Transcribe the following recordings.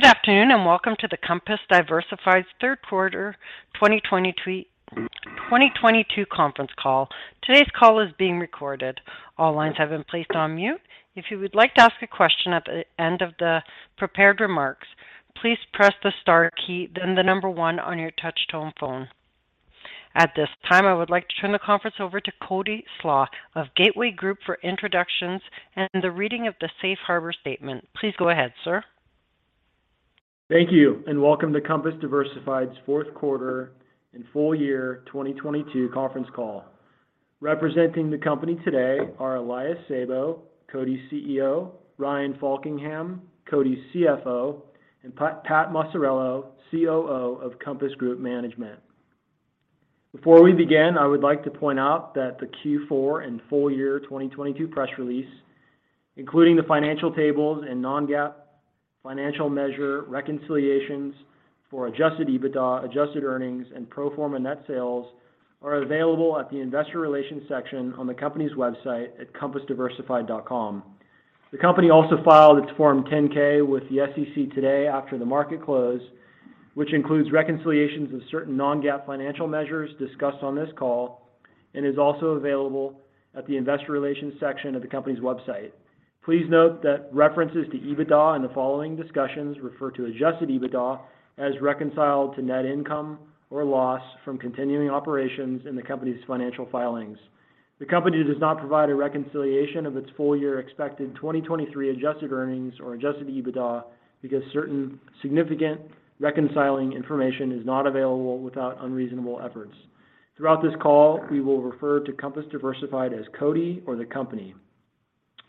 Good afternoon, welcome to Compass Diversified's Third Quarter 2022 Conference Call. Today's call is being recorded. All lines have been placed on mute. If you would like to ask a question at the end of the prepared remarks, please press the star key, then one on your touch-tone phone. At this time, I would like to turn the conference over to Cody Slach of Gateway Group for introductions and the reading of the safe harbor statement. Please go ahead, sir. Thank you. Welcome to Compass Diversified's Fourth Quarter and Full Year 2022 Conference Call. Representing the company today are Elias Sabo, CODI's CEO, Ryan Faulkingham, CODI's CFO, and Pat Maciariello, COO of Compass Group Management. Before we begin, I would like to point out that the Q4 and full year 2022 press release, including the financial tables and non-GAAP financial measure reconciliations for adjusted EBITDA, adjusted earnings, and pro forma net sales, are available at the investor relations section on the company's website at compassdiversified.com. The company also filed its Form 10-K with the SEC today after the market closed, which includes reconciliations of certain non-GAAP financial measures discussed on this call and is also available at the investor relations section of the company's website. Please note that references to EBITDA in the following discussions refer to adjusted EBITDA as reconciled to net income or loss from continuing operations in the company's financial filings. The company does not provide a reconciliation of its full year expected 2023 adjusted earnings or adjusted EBITDA because certain significant reconciling information is not available without unreasonable efforts. Throughout this call, we will refer to Compass Diversified as CODI or the company.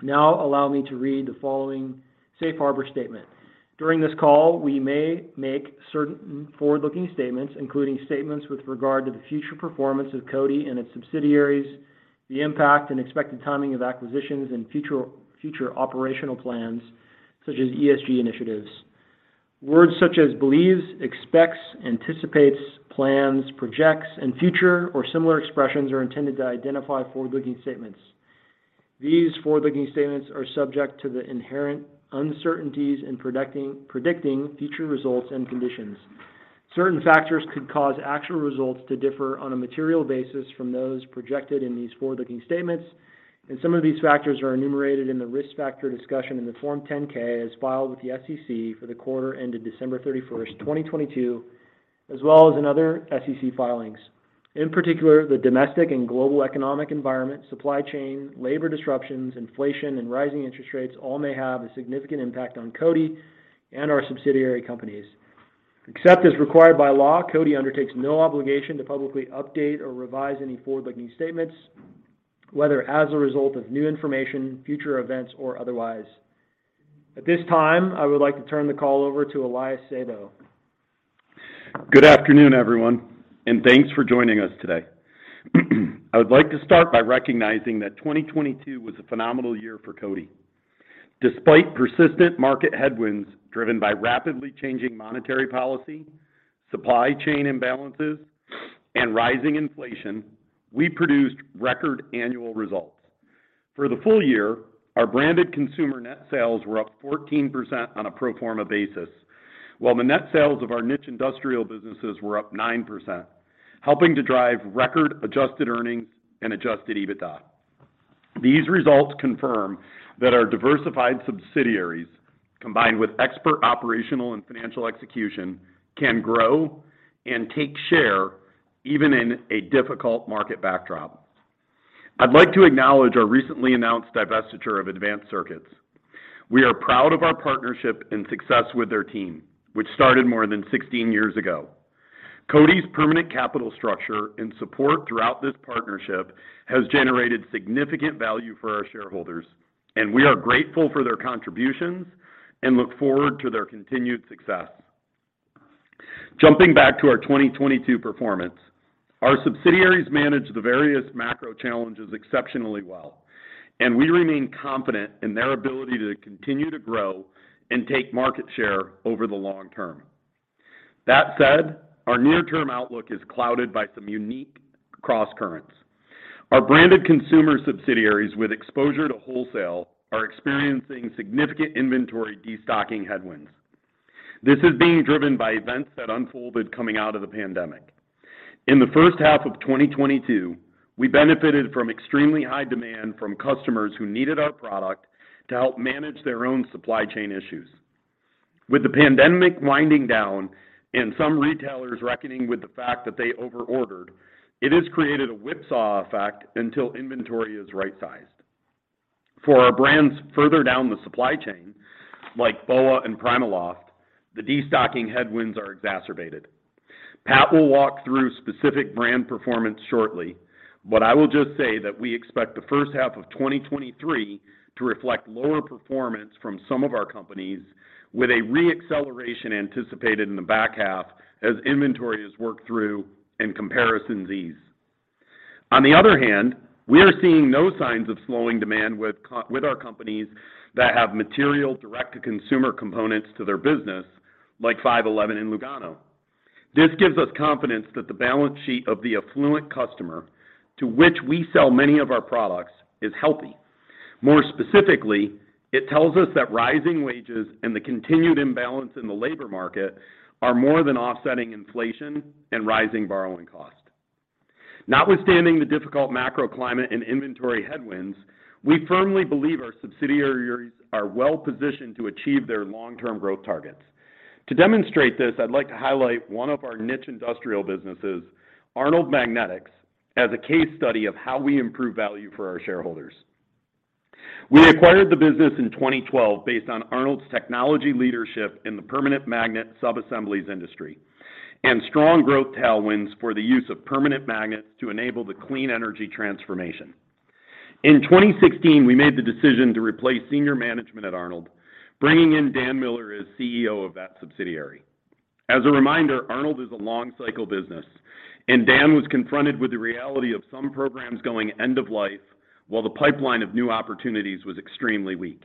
Allow me to read the following safe harbor statement. During this call, we may make certain forward-looking statements, including statements with regard to the future performance of CODI and its subsidiaries, the impact and expected timing of acquisitions and future operational plans, such as ESG initiatives. Words such as believes, expects, anticipates, plans, projects, and future or similar expressions are intended to identify forward-looking statements. These forward-looking statements are subject to the inherent uncertainties in predicting future results and conditions. Certain factors could cause actual results to differ on a material basis from those projected in these forward-looking statements, and some of these factors are enumerated in the risk factor discussion in the Form 10-K as filed with the SEC for the quarter ended December 31, 2022, as well as in other SEC filings. In particular, the domestic and global economic environment, supply chain, labor disruptions, inflation, and rising interest rates all may have a significant impact on CODI and our subsidiary companies. Except as required by law, CODI undertakes no obligation to publicly update or revise any forward-looking statements, whether as a result of new information, future events, or otherwise. At this time, I would like to turn the call over to Elias Sabo. Good afternoon, everyone, and thanks for joining us today. I would like to start by recognizing that 2022 was a phenomenal year for CODI. Despite persistent market headwinds driven by rapidly changing monetary policy, supply chain imbalances, and rising inflation, we produced record annual results. For the full year, our branded consumer net sales were up 14% on a pro forma basis, while the net sales of our niche industrial businesses were up 9%, helping to drive record adjusted earnings and adjusted EBITDA. These results confirm that our diversified subsidiaries, combined with expert operational and financial execution, can grow and take share even in a difficult market backdrop. I'd like to acknowledge our recently announced divestiture of Advanced Circuits. We are proud of our partnership and success with their team, which started more than 16 years ago. CODI's permanent capital structure and support throughout this partnership has generated significant value for our shareholders. We are grateful for their contributions and look forward to their continued success. Jumping back to our 2022 performance, our subsidiaries managed the various macro challenges exceptionally well. We remain confident in their ability to continue to grow and take market share over the long term. That said, our near-term outlook is clouded by some unique crosscurrents. Our branded consumer subsidiaries with exposure to wholesale are experiencing significant inventory destocking headwinds. This is being driven by events that unfolded coming out of the pandemic. In the first half of 2022, we benefited from extremely high demand from customers who needed our product to help manage their own supply chain issues. With the pandemic winding down and some retailers reckoning with the fact that they overordered, it has created a whipsaw effect until inventory is right-sized. For our brands further down the supply chain, like BOA and PrimaLoft, the destocking headwinds are exacerbated. Pat will walk through specific brand performance shortly. I will just say that we expect the first half of 2023 to reflect lower performance from some of our companies with a re-acceleration anticipated in the back half as inventory is worked through and comparisons ease. On the other hand, we are seeing no signs of slowing demand with our companies that have material direct-to-consumer components to their business, like 5.11 and Lugano. This gives us confidence that the balance sheet of the affluent customer to which we sell many of our products is healthy. More specifically, it tells us that rising wages and the continued imbalance in the labor market are more than offsetting inflation and rising borrowing costs. Notwithstanding the difficult macro climate and inventory headwinds, we firmly believe our subsidiaries are well-positioned to achieve their long-term growth targets. To demonstrate this, I'd like to highlight one of our niche industrial businesses, Arnold Magnetic Technologies, as a case study of how we improve value for our shareholders. We acquired the business in 2012 based on Arnold's technology leadership in the permanent magnet subassemblies industry and strong growth tailwinds for the use of permanent magnets to enable the clean energy transformation. In 2016, we made the decision to replace senior management at Arnold, bringing in Dan Miller as CEO of that subsidiary. As a reminder, Arnold is a long cycle business, and Dan was confronted with the reality of some programs going end of life while the pipeline of new opportunities was extremely weak.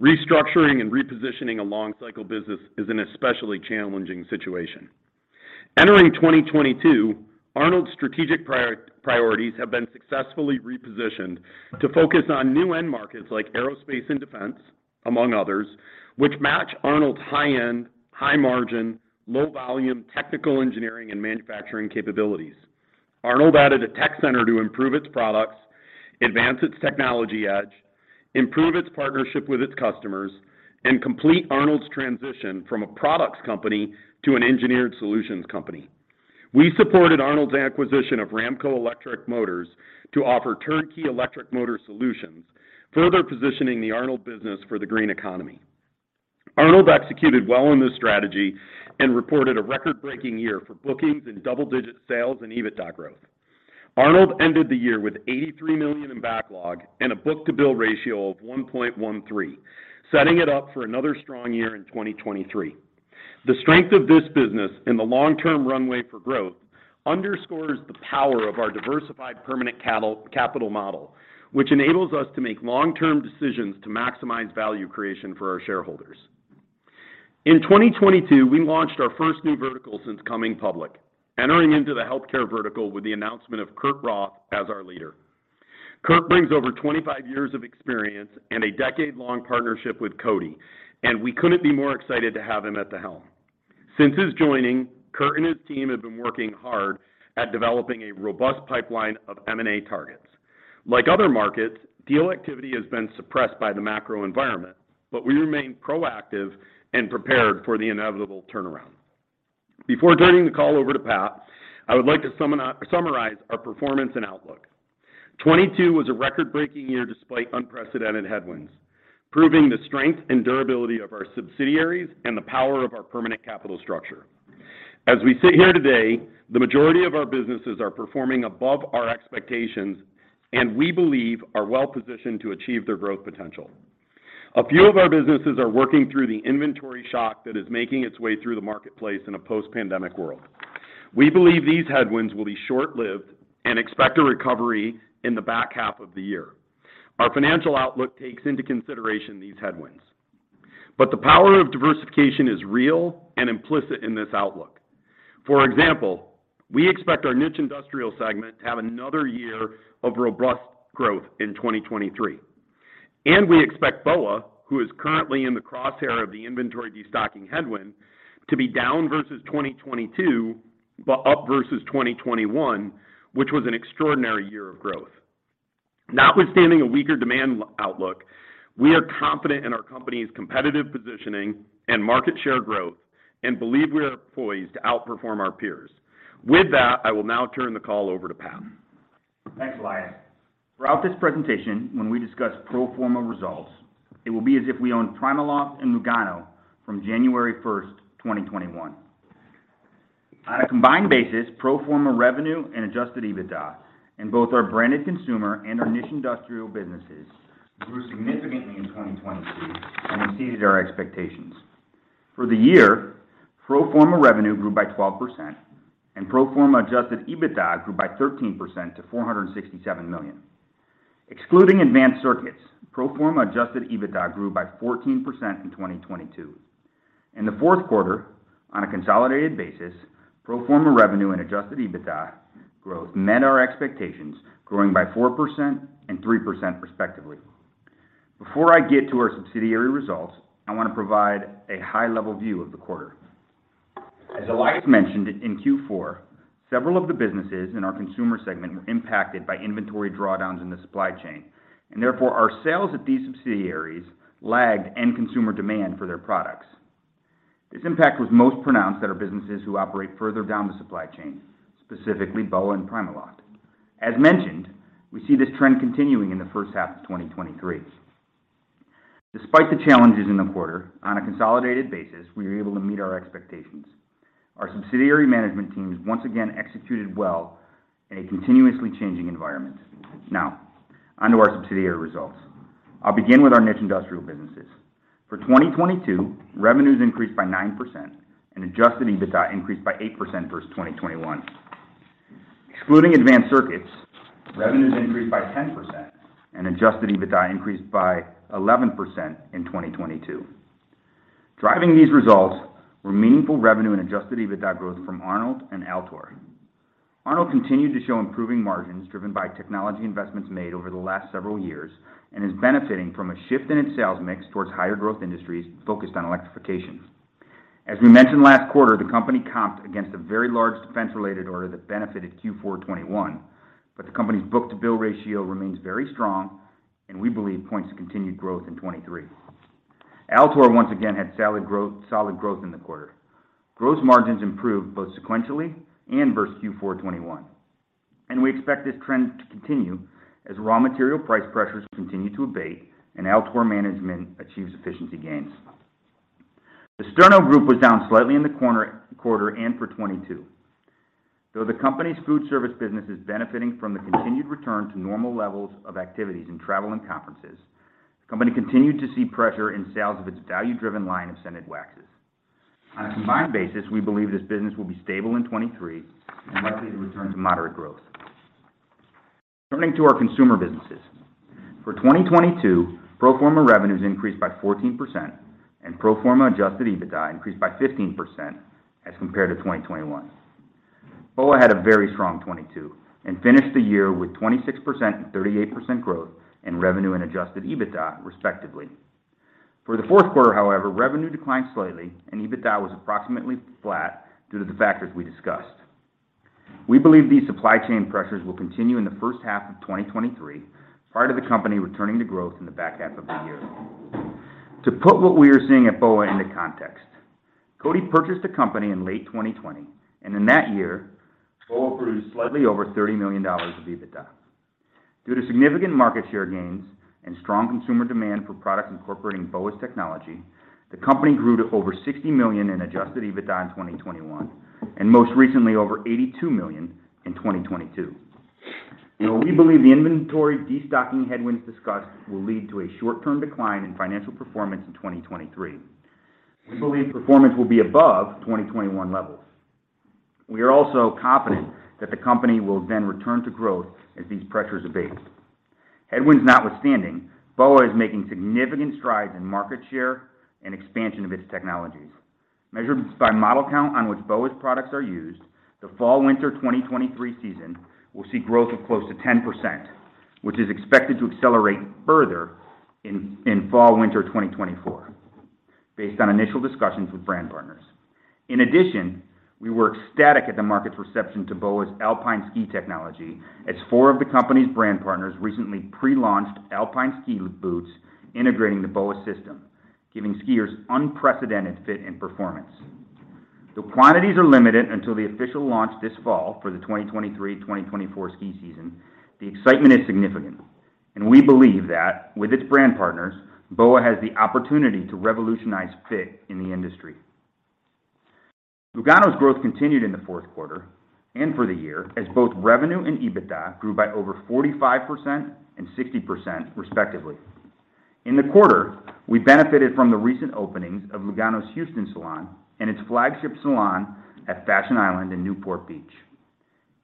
Restructuring and repositioning a long cycle business is an especially challenging situation. Entering 2022, Arnold's strategic priorities have been successfully repositioned to focus on new end markets like aerospace and defense, among others, which match Arnold's high-end, high-margin, low-volume technical engineering and manufacturing capabilities. Arnold added a tech center to improve its products, advance its technology edge, improve its partnership with its customers, and complete Arnold's transition from a products company to an engineered solutions company. We supported Arnold's acquisition of Ramco Electric Motors to offer turnkey electric motor solutions, further positioning the Arnold business for the green economy. Arnold executed well on this strategy and reported a record-breaking year for bookings and double-digit sales and EBITDA growth. Arnold ended the year with $83 million in backlog and a book-to-bill ratio of 1.13, setting it up for another strong year in 2023. The strength of this business and the long-term runway for growth underscores the power of our diversified permanent capital model, which enables us to make long-term decisions to maximize value creation for our shareholders. In 2022, we launched our first new vertical since coming public, entering into the healthcare vertical with the announcement of Kurt Roth as our leader. Kurt brings over 25 years of experience and a 10-year partnership with CODI, we couldn't be more excited to have him at the helm. Since his joining, Kurt and his team have been working hard at developing a robust pipeline of M&A targets. Like other markets, deal activity has been suppressed by the macro environment, but we remain proactive and prepared for the inevitable turnaround. Before turning the call over to Pat, I would like to summarize our performance and outlook. 2022 was a record-breaking year despite unprecedented headwinds, proving the strength and durability of our subsidiaries and the power of our permanent capital structure. As we sit here today, the majority of our businesses are performing above our expectations, and we believe are well-positioned to achieve their growth potential. A few of our businesses are working through the inventory shock that is making its way through the marketplace in a post-pandemic world. We believe these headwinds will be short-lived and expect a recovery in the back half of the year. Our financial outlook takes into consideration these headwinds. The power of diversification is real and implicit in this outlook. For example, we expect our niche industrial segment to have another year of robust growth in 2023. We expect BOA, who is currently in the crosshair of the inventory destocking headwind, to be down versus 2022, but up versus 2021, which was an extraordinary year of growth. Notwithstanding a weaker demand outlook, we are confident in our company's competitive positioning and market share growth and believe we are poised to outperform our peers. With that, I will now turn the call over to Pat. Thanks, Elias. Throughout this presentation, when we discuss pro forma results, it will be as if we own PrimaLoft and Lugano from January 1, 2021. On a combined basis, pro forma revenue and adjusted EBITDA in both our branded consumer and our niche industrial businesses grew significantly in 2022 and exceeded our expectations. For the year, pro forma revenue grew by 12% and pro forma adjusted EBITDA grew by 13% to $467 million. Excluding Advanced Circuits, pro forma adjusted EBITDA grew by 14% in 2022. In the fourth quarter, on a consolidated basis, pro forma revenue and adjusted EBITDA growth met our expectations, growing by 4% and 3% respectively. Before I get to our subsidiary results, I want to provide a high-level view of the quarter. As Elias mentioned, in Q4, several of the businesses in our consumer segment were impacted by inventory drawdowns in the supply chain, and therefore, our sales at these subsidiaries lagged end consumer demand for their products. This impact was most pronounced at our businesses who operate further down the supply chain, specifically BOA and PrimaLoft. As mentioned, we see this trend continuing in the first half of 2023. Despite the challenges in the quarter, on a consolidated basis, we were able to meet our expectations. Our subsidiary management teams once again executed well in a continuously changing environment. Now, on to our subsidiary results. I'll begin with our niche industrial businesses. For 2022, revenues increased by 9% and adjusted EBITDA increased by 8% versus 2021. Excluding Advanced Circuits, revenues increased by 10% and adjusted EBITDA increased by 11% in 2022. Driving these results were meaningful revenue and adjusted EBITDA growth from Arnold and Altor. Arnold continued to show improving margins driven by technology investments made over the last several years and is benefiting from a shift in its sales mix towards higher growth industries focused on electrification. As we mentioned last quarter, the company comped against a very large defense-related order that benefited Q4 2021, but the company's book-to-bill ratio remains very strong and we believe points to continued growth in 2023. Altor once again had solid growth in the quarter. Gross margins improved both sequentially and versus Q4 2021, and we expect this trend to continue as raw material price pressures continue to abate and Altor management achieves efficiency gains. The Sterno Group was down slightly in the quarter and for 2022. Though the company's food service business is benefiting from the continued return to normal levels of activities in travel and conferences, the company continued to see pressure in sales of its value-driven line of scented waxes. On a combined basis, we believe this business will be stable in 2023 and likely to return to moderate growth. Turning to our consumer businesses. For 2022, pro forma revenues increased by 14% and pro forma adjusted EBITDA increased by 15% as compared to 2021. BOA had a very strong 2022 and finished the year with 26% and 38% growth in revenue and adjusted EBITDA, respectively. For the Q4, however, revenue declined slightly and EBITDA was approximately flat due to the factors we discussed. We believe these supply chain pressures will continue in the first half of 2023, prior to the company returning to growth in the back half of the year. To put what we are seeing at BOA into context, CODI purchased the company in late 2020. In that year, BOA produced slightly over $30 million of EBITDA. Due to significant market share gains and strong consumer demand for products incorporating BOA's technology, the company grew to over $60 million in adjusted EBITDA in 2021, and most recently over $82 million in 2022. While we believe the inventory destocking headwinds discussed will lead to a short-term decline in financial performance in 2023, we believe performance will be above 2021 levels. We are also confident that the company will then return to growth as these pressures abate. Headwinds notwithstanding, BOA is making significant strides in market share and expansion of its technologies. Measured by model count on which BOA's products are used, the fall/winter 2023 season will see growth of close to 10%, which is expected to accelerate further in fall/winter 2024 based on initial discussions with brand partners. We were ecstatic at the market's reception to BOA's alpine ski technology as four of the company's brand partners recently pre-launched alpine ski boots integrating the BOA System, giving skiers unprecedented fit and performance. Quantities are limited until the official launch this fall for the 2023/2024 ski season, the excitement is significant, and we believe that with its brand partners, BOA has the opportunity to revolutionize fit in the industry. Lugano's growth continued in the fourth quarter and for the year as both revenue and EBITDA grew by over 45% and 60%, respectively. In the quarter, we benefited from the recent openings of Lugano's Houston salon and its flagship salon at Fashion Island in Newport Beach.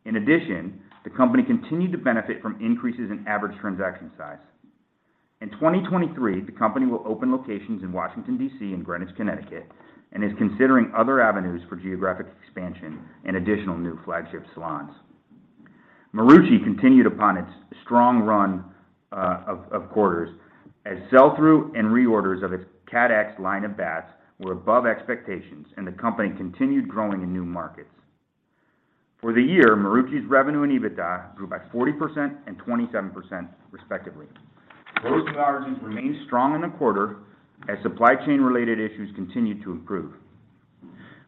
In 2023, the company will open locations in Washington, D.C., and Greenwich, Connecticut, and is considering other avenues for geographic expansion and additional new flagship salons. Marucci continued upon its strong run of quarters as sell-through and reorders of its CAT X line of bats were above expectations, and the company continued growing in new markets. For the year, Marucci's revenue and EBITDA grew by 40% and 27%, respectively. Gross margins remained strong in the quarter as supply chain-related issues continued to improve.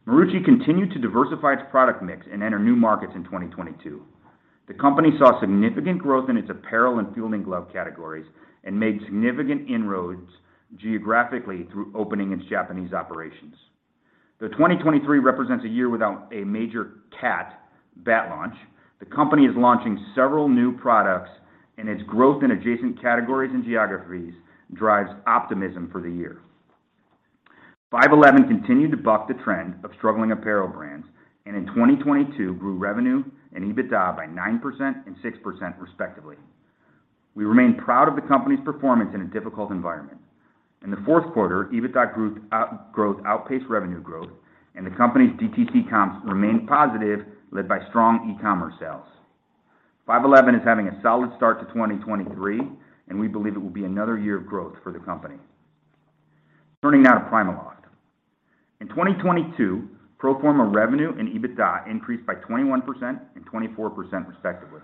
Marucci continued to diversify its product mix and enter new markets in 2022. The company saw significant growth in its apparel and fielding glove categories and made significant inroads geographically through opening its Japanese operations. Though 2023 represents a year without a major CAT bat launch, the company is launching several new products, and its growth in adjacent categories and geographies drives optimism for the year. 5.11 continued to buck the trend of struggling apparel brands and in 2022 grew revenue and EBITDA by 9% and 6%, respectively. We remain proud of the company's performance in a difficult environment. In the fourth quarter, EBITDA growth outpaced revenue growth, and the company's DTC comps remained positive, led by strong e-commerce sales. 5.11 is having a solid start to 2023, and we believe it will be another year of growth for the company. Turning now to PrimaLoft. In 2022, pro forma revenue and EBITDA increased by 21% and 24%, respectively.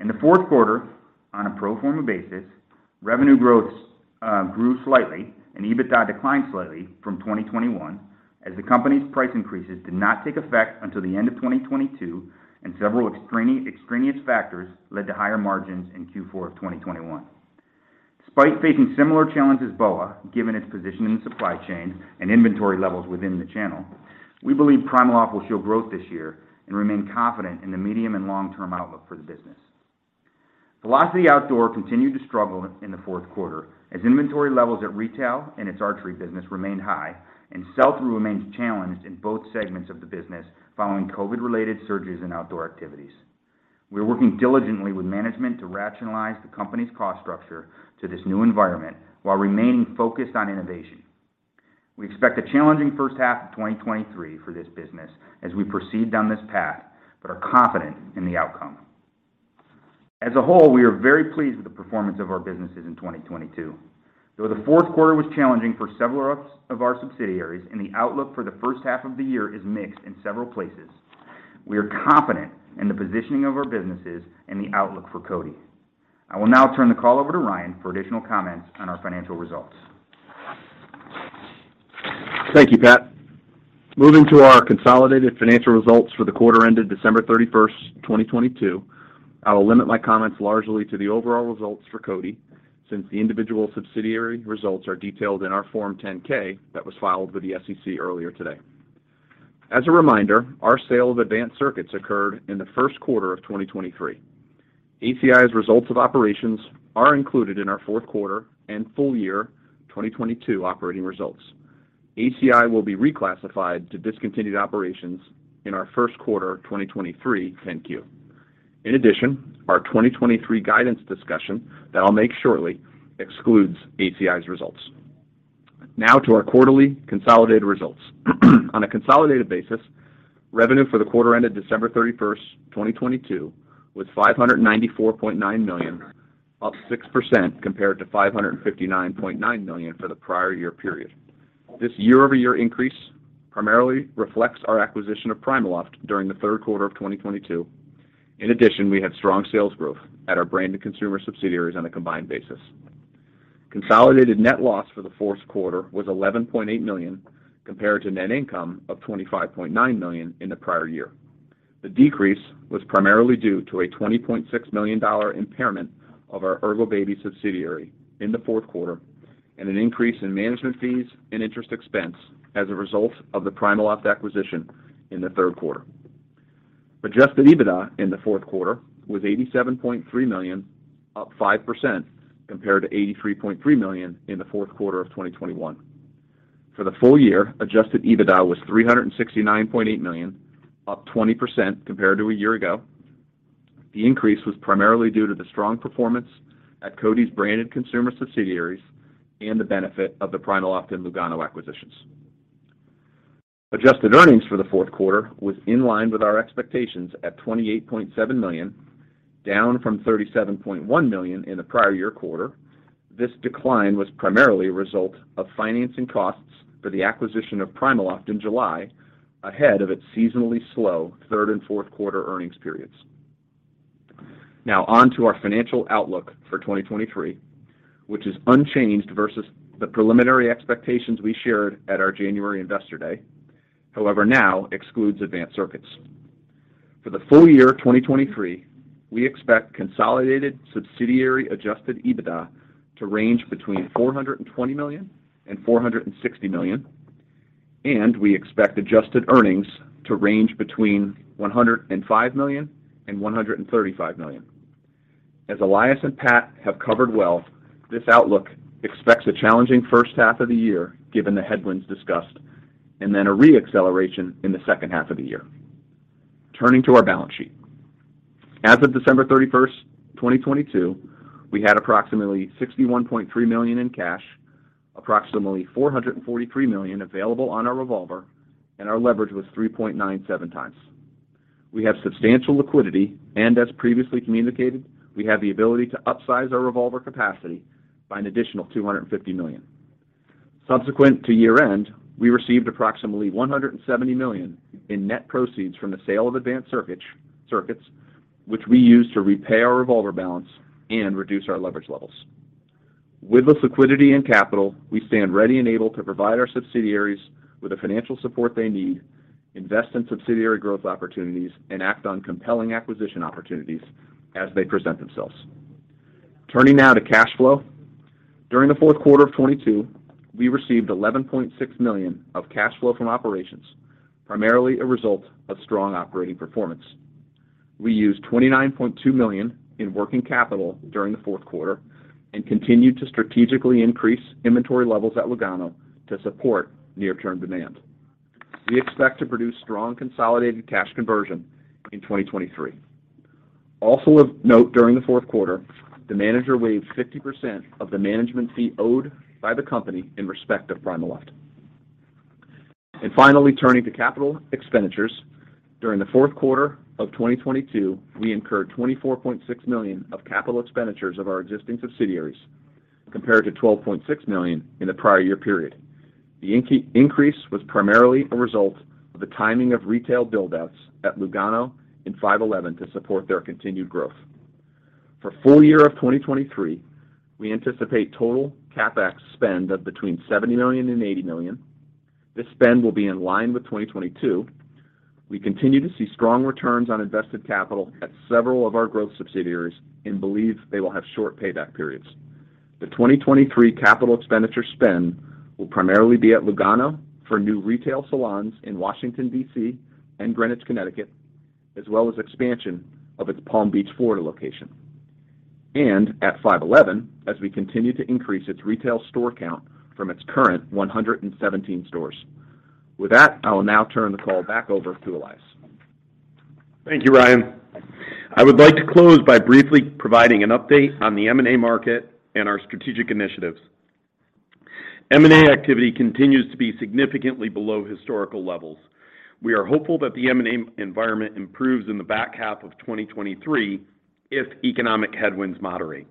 In the fourth quarter, on a pro forma basis, revenue growth grew slightly and EBITDA declined slightly from 2021 as the company's price increases did not take effect until the end of 2022 and several extraneous factors led to higher margins in Q4 of 2021. Despite facing similar challenges as BOA, given its position in the supply chain and inventory levels within the channel, we believe PrimaLoft will show growth this year and remain confident in the medium and long-term outlook for the business. Velocity Outdoor continued to struggle in the fourth quarter as inventory levels at retail and its archery business remained high and sell-through remains challenged in both segments of the business following COVID-related surges in outdoor activities. We are working diligently with management to rationalize the company's cost structure to this new environment while remaining focused on innovation. We expect a challenging first half of 2023 for this business as we proceed down this path, but are confident in the outcome. As a whole, we are very pleased with the performance of our businesses in 2022. Though the fourth quarter was challenging for several of our subsidiaries and the outlook for the first half of the year is mixed in several places, we are confident in the positioning of our businesses and the outlook for CODI. I will now turn the call over to Ryan for additional comments on our financial results. Thank you, Pat. Moving to our consolidated financial results for the quarter ended December 31, 2022, I will limit my comments largely to the overall results for CODI, since the individual subsidiary results are detailed in our Form 10-K that was filed with the SEC earlier today. As a reminder, our sale of Advanced Circuits occurred in the 1st quarter of 2023. ACI's results of operations are included in our 4th quarter and full year 2022 operating results. ACI will be reclassified to discontinued operations in our 1st quarter 2023 10-Q. In addition, our 2023 guidance discussion that I'll make shortly excludes ACI's results. Now to our quarterly consolidated results. On a consolidated basis, revenue for the quarter ended December 31, 2022, was $594.9 million, up 6% compared to $559.9 million for the prior year-over-year period. This year-over-year increase primarily reflects our acquisition of PrimaLoft during the third quarter of 2022. In addition, we had strong sales growth at our brand and consumer subsidiaries on a combined basis. Consolidated net loss for the fourth quarter was $11.8 million compared to net income of $25.9 million in the prior year. The decrease was primarily due to a $20.6 million impairment of our Ergobaby subsidiary in the fourth quarter and an increase in management fees and interest expense as a result of the PrimaLoft acquisition in the third quarter. Adjusted EBITDA in the fourth quarter was $87.3 million, up 5% compared to $83.3 million in the fourth quarter of 2021. For the full year, Adjusted EBITDA was $369.8 million, up 20% compared to a year ago. The increase was primarily due to the strong performance at CODI's branded consumer subsidiaries and the benefit of the PrimaLoft and Lugano acquisitions. Adjusted earnings for the fourth quarter was in line with our expectations at $28.7 million, down from $37.1 million in the prior year quarter. This decline was primarily a result of financing costs for the acquisition of PrimaLoft in July, ahead of its seasonally slow third and fourth quarter earnings periods. On to our financial outlook for 2023, which is unchanged versus the preliminary expectations we shared at our January Investor Day. However, now excludes Advanced Circuits. For the full year of 2023, we expect consolidated subsidiary adjusted EBITDA to range between $420 million and $460 million, and we expect adjusted earnings to range between $105 million and $135 million. As Elias and Pat have covered well, this outlook expects a challenging first half of the year, given the headwinds discussed, and then a re-acceleration in the second half of the year. Turning to our balance sheet. As of December 31st, 2022, we had approximately $61.3 million in cash, approximately $443 million available on our revolver, and our leverage was 3.97x. We have substantial liquidity, and as previously communicated, we have the ability to upsize our revolver capacity by an additional $250 million. Subsequent to year-end, we received approximately $170 million in net proceeds from the sale of Advanced Circuits, which we used to repay our revolver balance and reduce our leverage levels. With the liquidity and capital, we stand ready and able to provide our subsidiaries with the financial support they need, invest in subsidiary growth opportunities, and act on compelling acquisition opportunities as they present themselves. Turning now to cash flow. During the fourth quarter of 2022, we received $11.6 million of cash flow from operations, primarily a result of strong operating performance. We used $29.2 million in working capital during the fourth quarter and continued to strategically increase inventory levels at Lugano to support near-term demand. We expect to produce strong consolidated cash conversion in 2023. Also of note during the fourth quarter, the manager waived 50% of the management fee owed by the company in respect of PrimaLoft. Finally, turning to capital expenditures. During the fourth quarter of 2022, we incurred $24.6 million of capital expenditures of our existing subsidiaries compared to $12.6 million in the prior year period. The increase was primarily a result of the timing of retail build-outs at Lugano in 5.11 to support their continued growth. For full year of 2023, we anticipate total CapEx spend of between $70 million and $80 million. This spend will be in line with 2022. We continue to see strong returns on invested capital at several of our growth subsidiaries and believe they will have short payback periods. The 2023 CapEx spend will primarily be at Lugano for new retail salons in Washington, D.C. and Greenwich, Connecticut, as well as expansion of its Palm Beach, Florida location. At 5.11, as we continue to increase its retail store count from its current 117 stores. With that, I will now turn the call back over to Elias. Thank you, Ryan. I would like to close by briefly providing an update on the M&A market and our strategic initiatives. M&A activity continues to be significantly below historical levels. We are hopeful that the M&A environment improves in the back half of 2023 if economic headwinds moderate.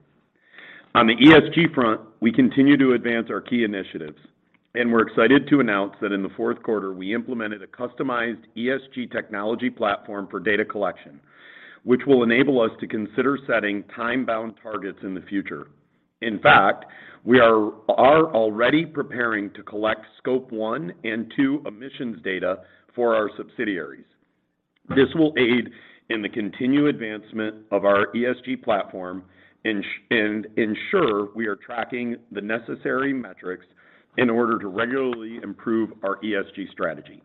On the ESG front, we continue to advance our key initiatives, and we're excited to announce that in the fourth quarter, we implemented a customized ESG technology platform for data collection, which will enable us to consider setting time-bound targets in the future. In fact, we are already preparing to collect Scope 1 and 2 emissions data for our subsidiaries. This will aid in the continued advancement of our ESG platform and ensure we are tracking the necessary metrics in order to regularly improve our ESG strategy.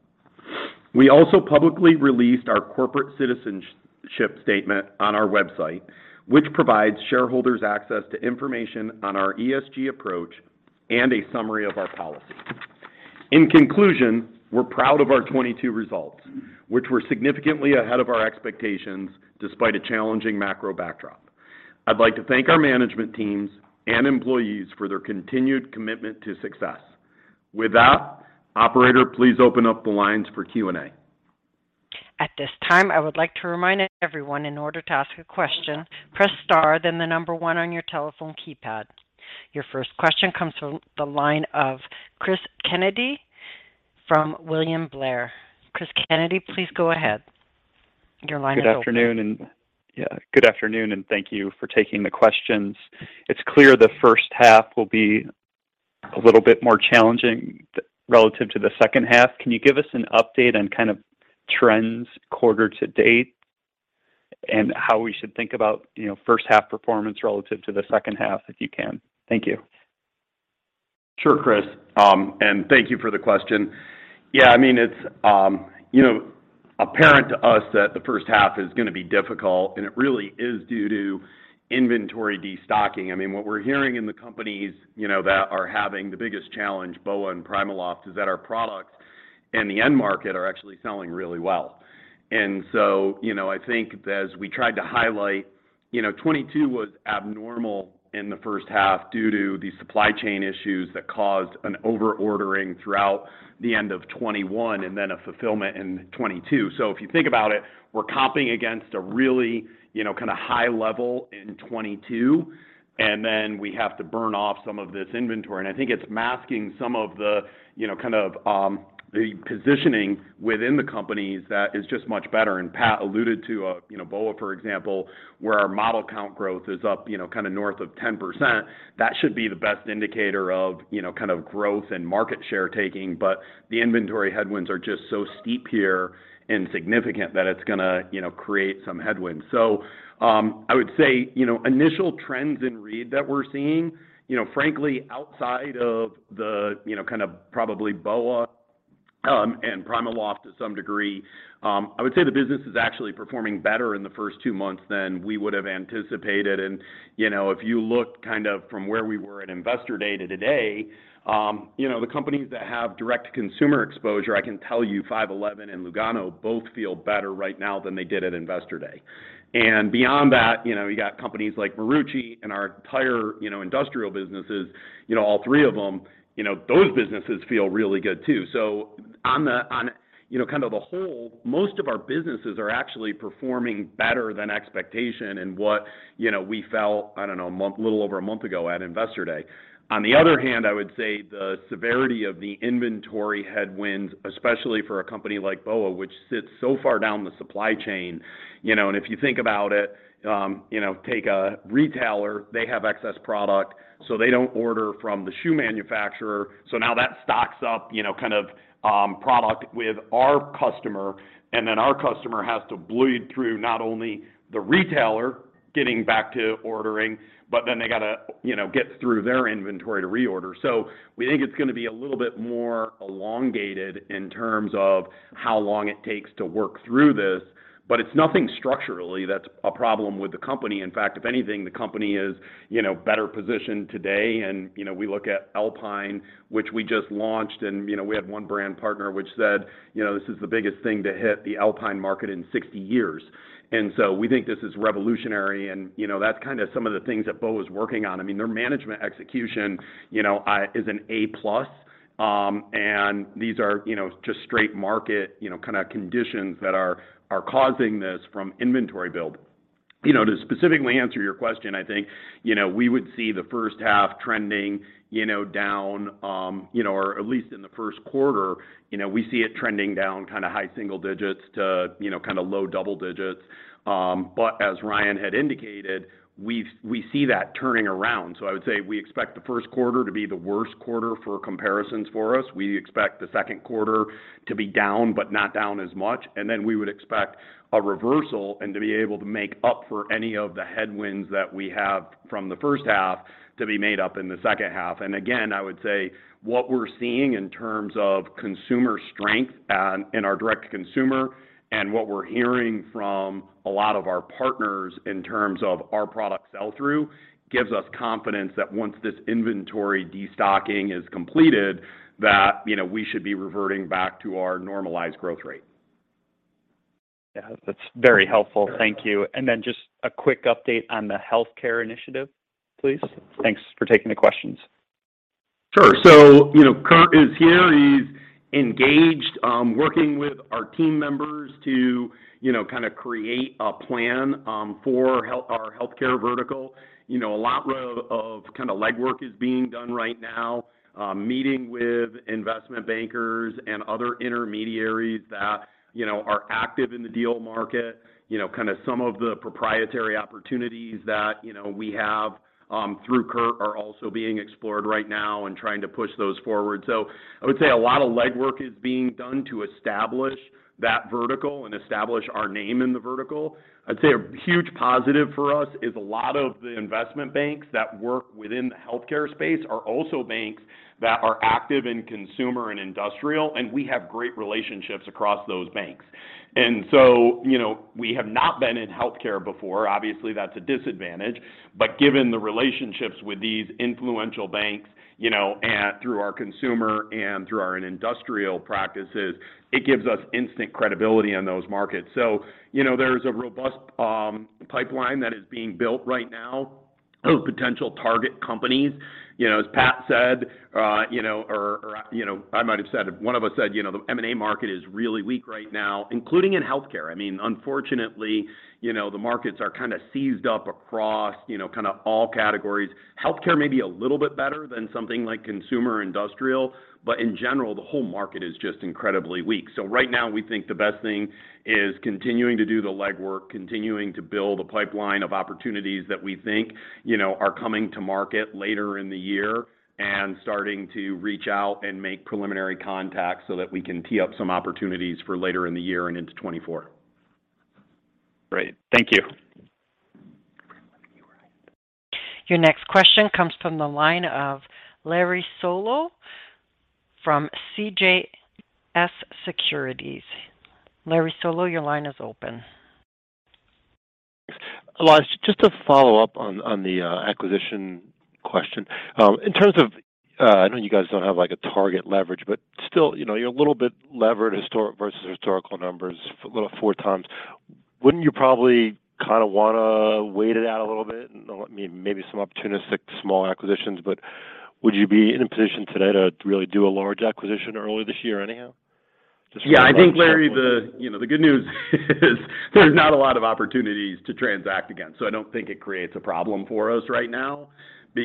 We also publicly released our corporate citizenship statement on our website, which provides shareholders access to information on our ESG approach and a summary of our policy. In conclusion, we're proud of our 22 results, which were significantly ahead of our expectations despite a challenging macro backdrop. I'd like to thank our management teams and employees for their continued commitment to success. With that, operator, please open up the lines for Q&A. At this time, I would like to remind everyone in order to ask a question, press star then the one on your telephone keypad. Your first question comes from the line of Cris Kennedy from William Blair. Cris Kennedy, please go ahead. Your line is open. Good afternoon, thank you for taking the questions. It's clear the first half will be a little bit more challenging relative to the second half. Can you give us an update on kind of trends quarter to date and how we should think about, you know, first half performance relative to the second half, if you can? Thank you. Sure, Cris, thank you for the question. Yeah, I mean, it's, you know, apparent to us that the first half is gonna be difficult, and it really is due to inventory destocking. I mean, what we're hearing in the companies, you know, that are having the biggest challenge, BOA and PrimaLoft, is that our products in the end market are actually selling really well. You know, I think as we tried to highlight, you know, 22 was abnormal in the first half due to the supply chain issues that caused an over-ordering throughout the end of 21 and then a fulfillment in 22. If you think about it, we're comping against a really, you know, kind of high level in 22, and then we have to burn off some of this inventory. I think it's masking some of the, you know, kind of, the positioning within the companies that is just much better. Pat alluded to, you know, BOA, for example, where our model count growth is up, you know, kind of north of 10%. That should be the best indicator of, you know, kind of growth and market share taking. The inventory headwinds are just so steep here and significant that it's gonna, you know, create some headwinds. I would say, you know, initial trends in Reed that we're seeing, you know, frankly, outside of the, you know, kind of probably BOA, and PrimaLoft to some degree, I would say the business is actually performing better in the first two months than we would have anticipated. You know, if you look kind of from where we were at Investor Day to today, you know, the companies that have direct consumer exposure, I can tell you 5.11 and Lugano both feel better right now than they did at Investor Day. Beyond that, you know, you got companies like Marucci and our entire, you know, industrial businesses, you know, all three of them, you know, those businesses feel really good too. On the, on, you know, kind of the whole, most of our businesses are actually performing better than expectation and what, you know, we felt, I don't know, little over a month ago at Investor Day. On the other hand, I would say the severity of the inventory headwinds, especially for a company like BOA, which sits so far down the supply chain, you know. If you think about it, you know, take a retailer, they have excess product, so they don't order from the shoe manufacturer. Now that stocks up, you know, kind of, product with our customer, and then our customer has to bleed through not only the retailer getting back to ordering, but then they got to, you know, get through their inventory to reorder. We think it's gonna be a little bit more elongated in terms of how long it takes to work through this. It's nothing structurally that's a problem with the company. In fact, if anything, the company is, you know, better positioned today. You know, we look at Alpine, which we just launched, and, you know, we had one brand partner which said, you know, "This is the biggest thing to hit the Alpine market in 60 years." We think this is revolutionary, and, you know, that's kind of some of the things that BOA is working on. I mean, their management execution, you know, is an A+, and these are, you know, just straight market, you know, kind of conditions that are causing this from inventory build. You know, to specifically answer your question, I think, you know, we would see the first half trending, you know, down, you know, or at least in the first quarter, you know, we see it trending down kind of high single digits to, you know, kind of low double digits. As Ryan had indicated, we see that turning around. I would say we expect the first quarter to be the worst quarter for comparisons for us. We expect the second quarter to be down, but not down as much. We would expect a reversal and to be able to make up for any of the headwinds that we have from the first half to be made up in the second half. Again, I would say what we're seeing in terms of consumer strength and in our direct-to-consumer and what we're hearing from a lot of our partners in terms of our product sell-through gives us confidence that once this inventory destocking is completed, that, you know, we should be reverting back to our normalized growth rate. Yeah. That's very helpful. Thank you. Just a quick update on the healthcare initiative, please. Thanks for taking the questions. Sure. You know, Kurt is here. He's engaged, working with our team members to, you know, kind of create a plan for our healthcare vertical. You know, a lot of kind of legwork is being done right now, meeting with investment bankers and other intermediaries that, you know, are active in the deal market. You know, kind of some of the proprietary opportunities that, you know, we have through Kurt are also being explored right now and trying to push those forward. I would say a lot of legwork is being done to establish that vertical and establish our name in the vertical. I'd say a huge positive for us is a lot of the investment banks that work within the healthcare space are also banks that are active in consumer and industrial, and we have great relationships across those banks. You know, we have not been in healthcare before. Obviously, that's a disadvantage. Given the relationships with these influential banks, you know, and through our consumer and through our industrial practices, it gives us instant credibility in those markets. You know, there's a robust pipeline that is being built right now of potential target companies. You know, as Pat said, you know, or, you know, I might have said, one of us said, you know, the M&A market is really weak right now, including in healthcare. I mean, unfortunately, you know, the markets are kind of seized up across, you know, kind of all categories. Healthcare may be a little bit better than something like consumer industrial, but in general, the whole market is just incredibly weak. Right now we think the best thing is continuing to do the legwork, continuing to build a pipeline of opportunities that we think, you know, are coming to market later in the year, and starting to reach out and make preliminary contacts so that we can tee up some opportunities for later in the year and into 2024. Great. Thank you. Your next question comes from the line of Larry Solow from CJS Securities. Larry Solow, your line is open. Elias, just to follow up on the acquisition question. In terms of, I know you guys don't have, like, a target leverage, but still, you know, you're a little bit levered historic versus historical numbers, a little four times. Wouldn't you probably kind of wanna wait it out a little bit and maybe some opportunistic small acquisitions, but would you be in a position today to really do a large acquisition early this year anyhow? Yeah, I think, Larry, the, you know, the good news is there's not a lot of opportunities to transact against, so I don't think it creates a problem for us right now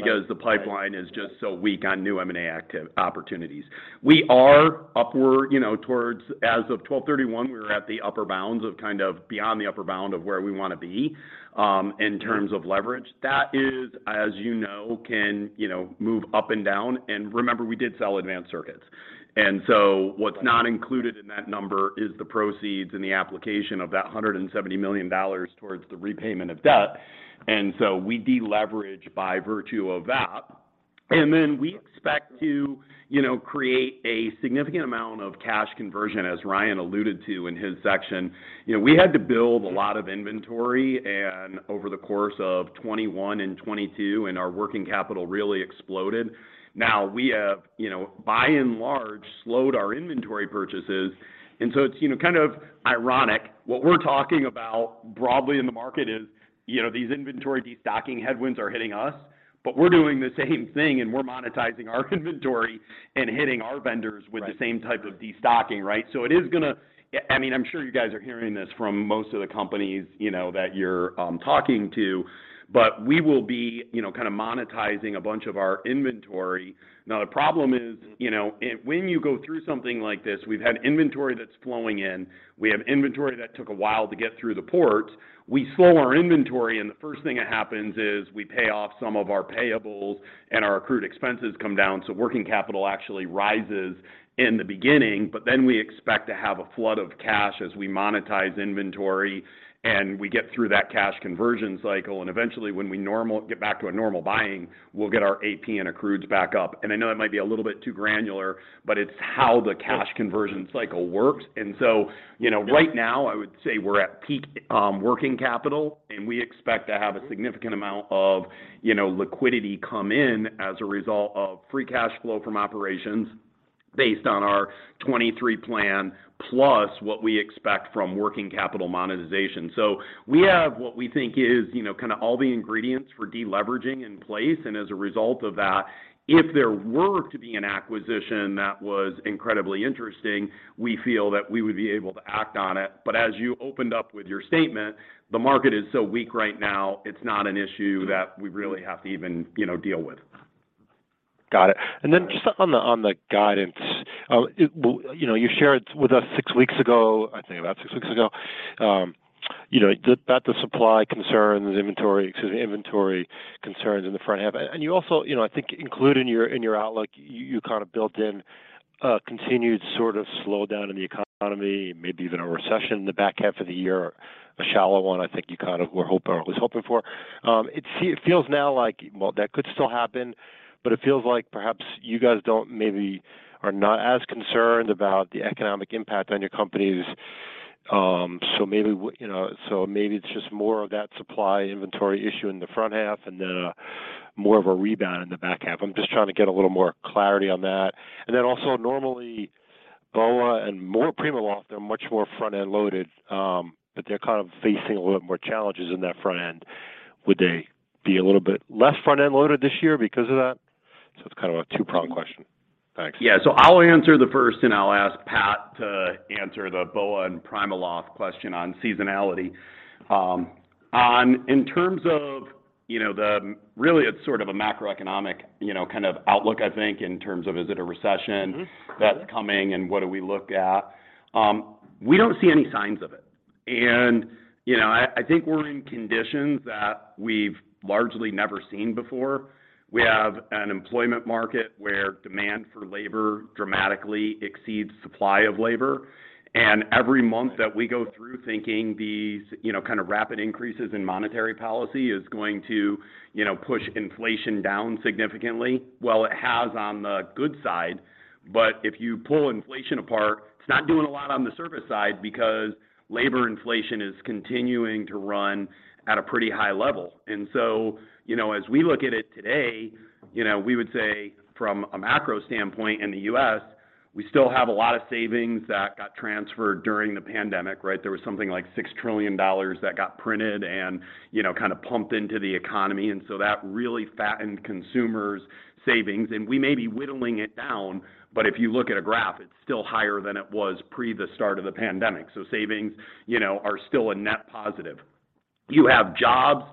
because the pipeline is just so weak on new M&A active opportunities. We are upward, you know, towards as of twelve thirty-one, we were at the upper bounds of kind of beyond the upper bound of where we want to be, in terms of leverage. That is, as you know, can, you know, move up and down. Remember, we did sell Advanced Circuits. What's not included in that number is the proceeds and the application of that $170 million towards the repayment of debt. We deleverage by virtue of that. We expect to, you know, create a significant amount of cash conversion, as Ryan alluded to in his section. You know, we had to build a lot of inventory over the course of 2021 and 2022, and our working capital really exploded. Now we have, you know, by and large, slowed our inventory purchases, and so it's, you know, kind of ironic. What we're talking about broadly in the market is, you know, these inventory destocking headwinds are hitting us, but we're doing the same thing, and we're monetizing our inventory and hitting our vendors with the same type of destocking, right? It is gonna. I mean, I'm sure you guys are hearing this from most of the companies, you know, that you're talking to, but we will be, you know, kind of monetizing a bunch of our inventory. The problem is, you know, when you go through something like this, we've had inventory that's flowing in. We have inventory that took a while to get through the ports. We slow our inventory, and the first thing that happens is we pay off some of our payables and our accrued expenses come down. Working capital actually rises in the beginning, but then we expect to have a flood of cash as we monetize inventory, and we get through that cash conversion cycle. Eventually, when we get back to a normal buying, we'll get our AP and accrueds back up. I know that might be a little bit too granular, but it's how the cash conversion cycle works. you know, right now, I would say we're at peak working capital, and we expect to have a significant amount of, you know, liquidity come in as a result of free cash flow from operations based on our 2023 plan, plus what we expect from working capital monetization. We have what we think is, you know, kind of all the ingredients for deleveraging in place. As a result of that, if there were to be an acquisition that was incredibly interesting, we feel that we would be able to act on it. As you opened up with your statement, the market is so weak right now, it's not an issue that we really have to even, you know, deal with. Got it. Then just on the, on the guidance, you know, you shared with us six weeks ago, I think about six weeks ago, you know, that the supply concerns, inventory, excuse me, inventory concerns in the front half. You also, you know, I think including your, in your outlook, you kind of built in a continued sort of slowdown in the economy, maybe even a recession in the back half of the year, a shallow one I think you kind of was hoping for. It feels now like, well, that could still happen, but it feels like perhaps you guys don't maybe are not as concerned about the economic impact on your companies. Maybe you know, so maybe it's just more of that supply inventory issue in the front half and then more of a rebound in the back half. I'm just trying to get a little more clarity on that. Also normally BOA and more PrimaLoft, they're much more front-end loaded, but they're kind of facing a little bit more challenges in that front end. Would they be a little bit less front-end loaded this year because of that? It's kind of a two-pronged question. Thanks. Yeah. I'll answer the first, and I'll ask Pat to answer the BOA and PrimaLoft question on seasonality. In terms of, you know, Really it's sort of a macroeconomic, you know, kind of outlook, I think, in terms of is it a recession? Mm-hmm... that's coming, and what do we look at. We don't see any signs of it. You know, I think we're in conditions that we've largely never seen before. We have an employment market where demand for labor dramatically exceeds supply of labor. Every month that we go through thinking these, you know, kind of rapid increases in monetary policy is going to, you know, push inflation down significantly, well, it has on the good side. If you pull inflation apart, it's not doing a lot on the service side because labor inflation is continuing to run at a pretty high level. So, you know, as we look at it today, you know, we would say from a macro standpoint in the U.S., we still have a lot of savings that got transferred during the pandemic, right? There was something like $6 trillion that got printed and, you know, kind of pumped into the economy, that really fattened consumers' savings. We may be whittling it down, but if you look at a graph, it's still higher than it was pre the start of the pandemic. Savings, you know, are still a net positive. You have jobs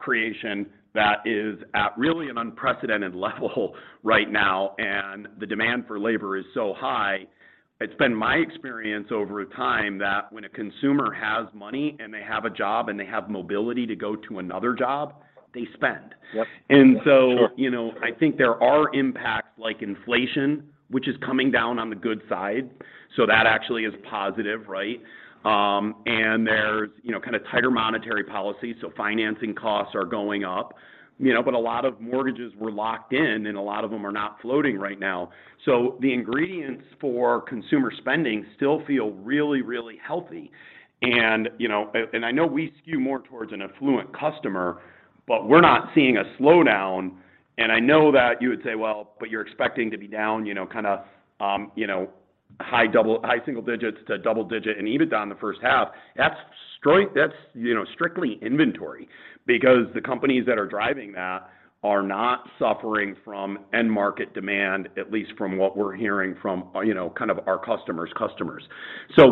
creation that is at really an unprecedented level right now, and the demand for labor is so high. It's been my experience over time that when a consumer has money, and they have a job, and they have mobility to go to another job, they spend. Yep. And so- Sure. Sure.... you know, I think there are impacts like inflation, which is coming down on the good side, so that actually is positive, right? There's, you know, kind of tighter monetary policy, so financing costs are going up. You know, a lot of mortgages were locked in, and a lot of them are not floating right now. The ingredients for consumer spending still feel really, really healthy. You know, I know we skew more towards an affluent customer, but we're not seeing a slowdown. I know that you would say, "Well, but you're expecting to be down, you know, kinda, you know, high single digits to double-digit in EBITDA in the first half." That's, you know, strictly inventory because the companies that are driving that are not suffering from end market demand, at least from what we're hearing from, you know, kind of our customers' customers.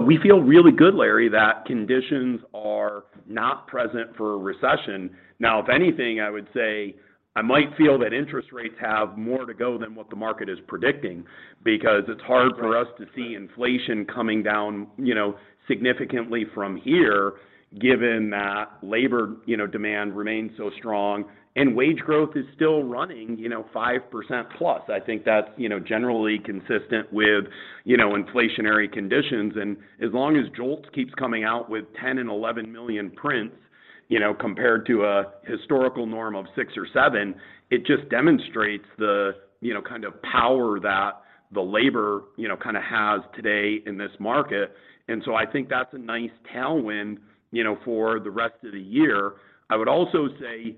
We feel really good, Larry, that conditions are not present for a recession. If anything, I would say I might feel that interest rates have more to go than what the market is predicting because it's hard for us to see inflation coming down, you know, significantly from here, given that labor, you know, demand remains so strong and wage growth is still running, you know, 5%+. I think that's, you know, generally consistent with, you know, inflationary conditions. As long as JOLTS keeps coming out with 10 and 11 million prints, you know, compared to a historical norm of 6 or 7, it just demonstrates the, you know, kind of power that the labor, you know, kind of has today in this market. I think that's a nice tailwind, you know, for the rest of the year. I would also say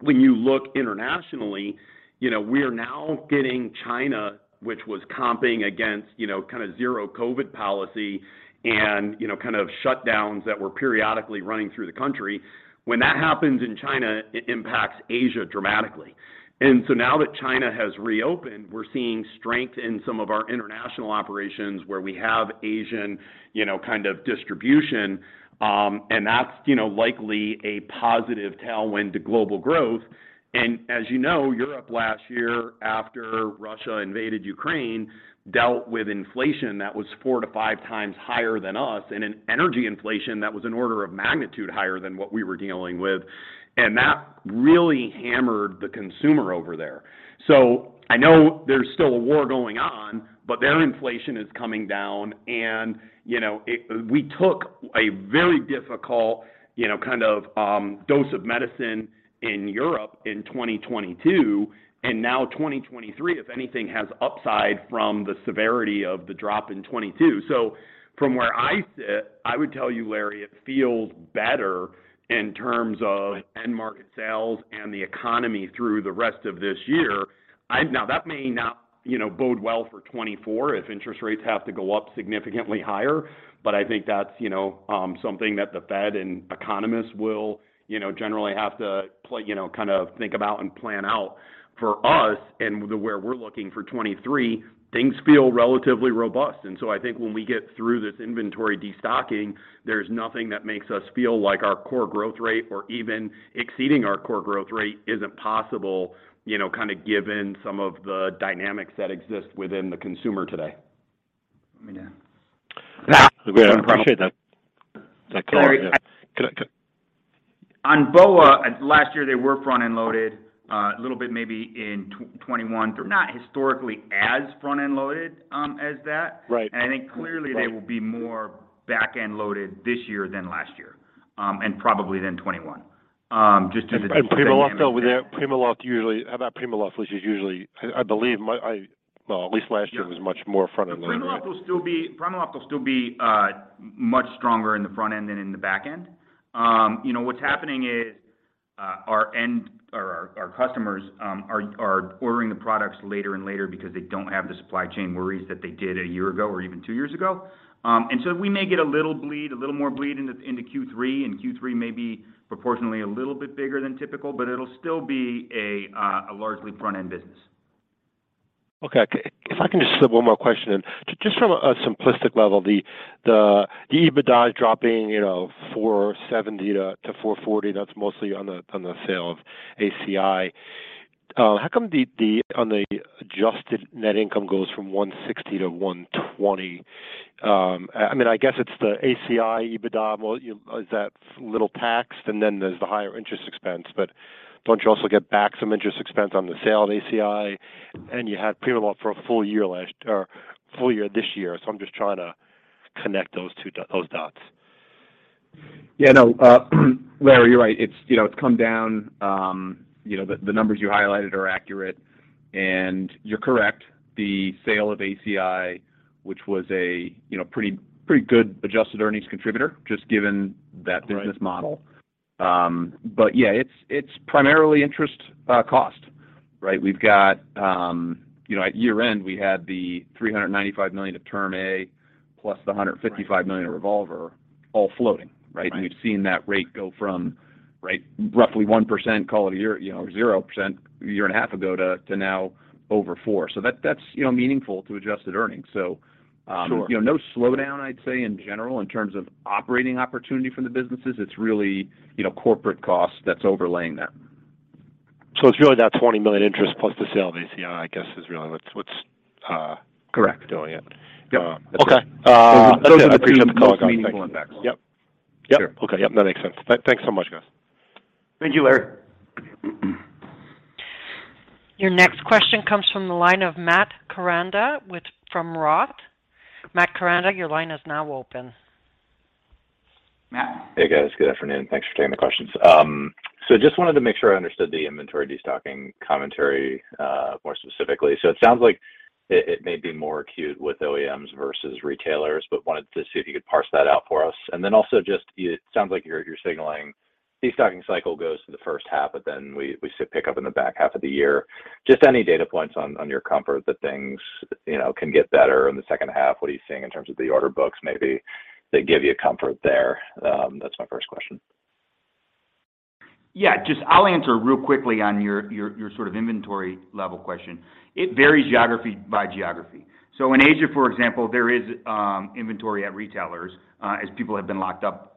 when you look internationally, you know, we're now getting China, which was comping against, you know, kind of zero-COVID policy and, you know, kind of shutdowns that were periodically running through the country. When that happens in China, it impacts Asia dramatically. Now that China has reopened, we're seeing strength in some of our international operations where we have Asian, you know, kind of distribution. That's, you know, likely a positive tailwind to global growth. As you know, Europe last year after Russia invaded Ukraine, dealt with inflation that was 4x-5x higher than us and an energy inflation that was an order of magnitude higher than what we were dealing with. That really hammered the consumer over there. I know there's still a war going on, but their inflation is coming down and, you know, We took a very difficult, you know, kind of, dose of medicine in Europe in 2022, and now 2023, if anything, has upside from the severity of the drop in 2022. From where I sit, I would tell you, Larry, it feels better in terms of end market sales and the economy through the rest of this year. Now, that may not, you know, bode well for 2024 if interest rates have to go up significantly higher, but I think that's, you know, something that the Fed and economists will, you know, generally have to you know, kind of think about and plan out. For us and the way we're looking for 2023, things feel relatively robust. I think when we get through this inventory destocking, there's nothing that makes us feel like our core growth rate or even exceeding our core growth rate isn't possible, you know, kind of given some of the dynamics that exist within the consumer today. Let me know. I appreciate that. Sorry. Could I- On BOA, last year they were front-end loaded, a little bit maybe in 2021. They're not historically as front-end loaded, as that. Right. I think clearly they will be more back-end loaded this year than last year, and probably than 2021, just due to the different dynamics. PrimaLoft, over there. How about PrimaLoft, which is usually? I believe my, well, at least last year it was much more front-end loaded, right? PrimaLoft will still be much stronger in the front end than in the back end. You know, what's happening is our customers are ordering the products later and later because they don't have the supply chain worries that they did a year ago or even two years ago. We may get a little bleed, a little more bleed into Q3, and Q3 may be proportionately a little bit bigger than typical, but it'll still be a largely front-end business. Okay. If I can just slip one more question in. Just from a simplistic level, the EBITDA is dropping, you know, $470 to $440. That's mostly on the sale of ACI. How come the adjusted net income goes from $160 to $120? I mean, I guess it's the ACI EBITDA, well, is that little taxed, and then there's the higher interest expense. Don't you also get back some interest expense on the sale of ACI? You had PrimaLoft for a full year last year, or full year this year. I'm just trying to connect those two. Those dots. Yeah. No. Larry, you're right. It's, you know, it's come down, you know, the numbers you highlighted are accurate, and you're correct. The sale of ACI, which was a, you know, pretty good adjusted earnings contributor, just given that business model. Yeah, it's primarily interest cost, right? We've got, you know, at year-end, we had the $395 million of Term Loan A plus the $155 million of revolver all floating, right? Right. We've seen that rate go from, right, roughly 1%, call it a year, you know, 0% a year and a half ago to now over 4%. That's, you know, meaningful to adjusted earnings. Sure. You know, no slowdown, I'd say, in general, in terms of operating opportunity from the businesses. It's really, you know, corporate costs that's overlaying that. It's really that $20 million interest plus the sale of ACI, I guess, is really what's. Correct. doing it. Yep. Okay. That's it. I appreciate the call, guys. Thanks. Those are the two most meaningful impacts. Yep. Yep. Sure. Okay. Yep, that makes sense. Thanks so much, guys. Thank you, Larry. Your next question comes from the line of Matt Koranda from Roth. Matt Koranda, your line is now open. Matt. Hey, guys. Good afternoon. Thanks for taking the questions. Just wanted to make sure I understood the inventory destocking commentary more specifically. It sounds like it may be more acute with OEMs versus retailers, but wanted to see if you could parse that out for us. Also just it sounds like you're signaling destocking cycle goes to the first half, but then we see pick up in the back half of the year. Just any data points on your comfort that things, you know, can get better in the second half. What are you seeing in terms of the order books, maybe that give you comfort there? That's my first question. Yeah, just I'll answer real quickly on your sort of inventory level question. It varies geography by geography. In Asia, for example, there is inventory at retailers, as people have been locked up,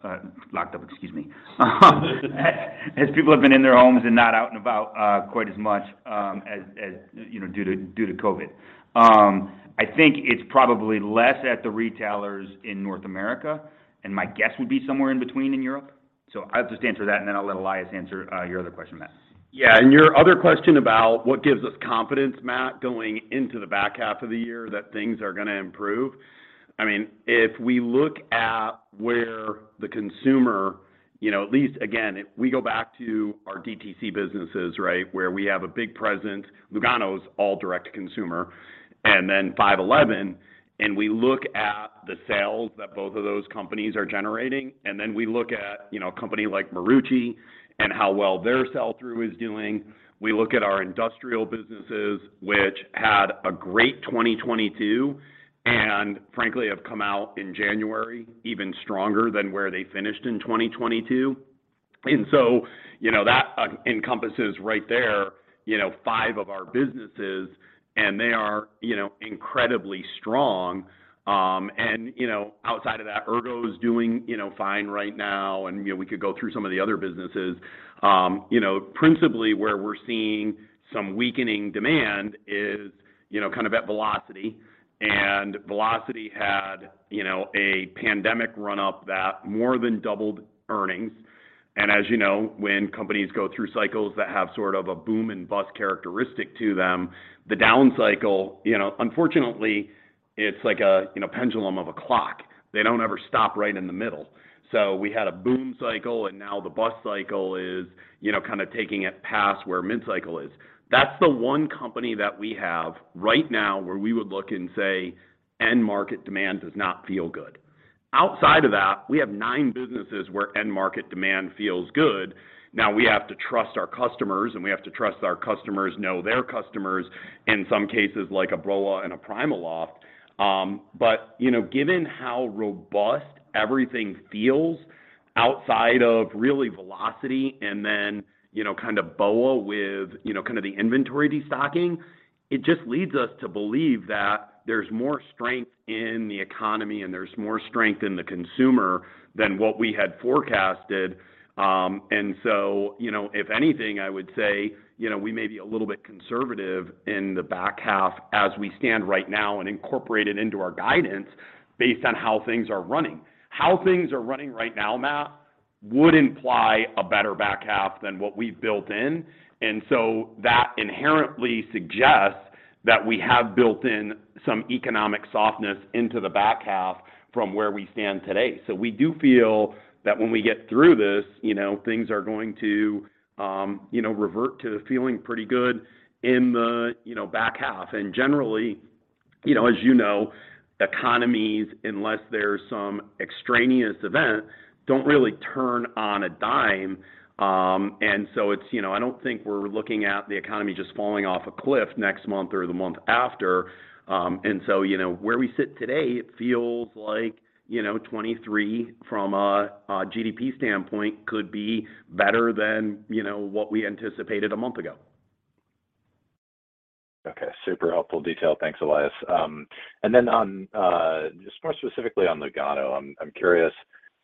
excuse me. As people have been in their homes and not out and about, quite as much, as, you know, due to COVID. I think it's probably less at the retailers in North America, and my guess would be somewhere in between in Europe. I'll just answer that, and then I'll let Elias answer, your other question, Matt. Yeah, your other question about what gives us confidence, Matt, going into the back half of the year that things are gonna improve. I mean, if we look at where the consumer, you know, at least again, if we go back to our DTC businesses, right? Where we have a big presence, Lugano's all direct to consumer and then 5.11, and we look at the sales that both of those companies are generating, and then we look at, you know, a company like Marucci and how well their sell-through is doing. We look at our industrial businesses, which had a great 2022, and frankly, have come out in January even stronger than where they finished in 2022. You know, that encompasses right there, you know, five of our businesses and they are, you know, incredibly strong. You know, outside of that, Ergo's doing, you know, fine right now and, you know, we could go through some of the other businesses. You know, principally where we're seeing some weakening demand is, you know, kind of at Velocity. Velocity had, you know, a pandemic run up that more than doubled earnings. As you know, when companies go through cycles that have sort of a boom and bust characteristic to them, the down cycle, you know, unfortunately, it's like a, you know, pendulum of a clock. They don't ever stop right in the middle. We had a boom cycle, and now the bust cycle is, you know, kind of taking it past where mid-cycle is. That's the one company that we have right now where we would look and say, "End market demand does not feel good." Outside of that, we have nine businesses where end market demand feels good. We have to trust our customers, and we have to trust our customers know their customers in some cases like Abrola and PrimaLoft. You know, given how robust everything feels outside of really Velocity and then, you know, kind of BOA with, you know, kind of the inventory destocking, it just leads us to believe that there's more strength in the economy and there's more strength in the consumer than what we had forecasted. If anything, I would say, we may be a little bit conservative in the back half as we stand right now and incorporate it into our guidance based on how things are running. How things are running right now, Matt, would imply a better back half than what we've built in. That inherently suggests that we have built in some economic softness into the back half from where we stand today. We do feel that when we get through this, things are going to revert to feeling pretty good in the back half. Generally, as you know, economies, unless there's some extraneous event, don't really turn on a dime. It's, you know, I don't think we're looking at the economy just falling off a cliff next month or the month after. You know, where we sit today, it feels like, you know, 23 from a GDP standpoint could be better than, you know, what we anticipated a month ago. Okay. Super helpful detail. Thanks, Elias. On just more specifically on Lugano, I'm curious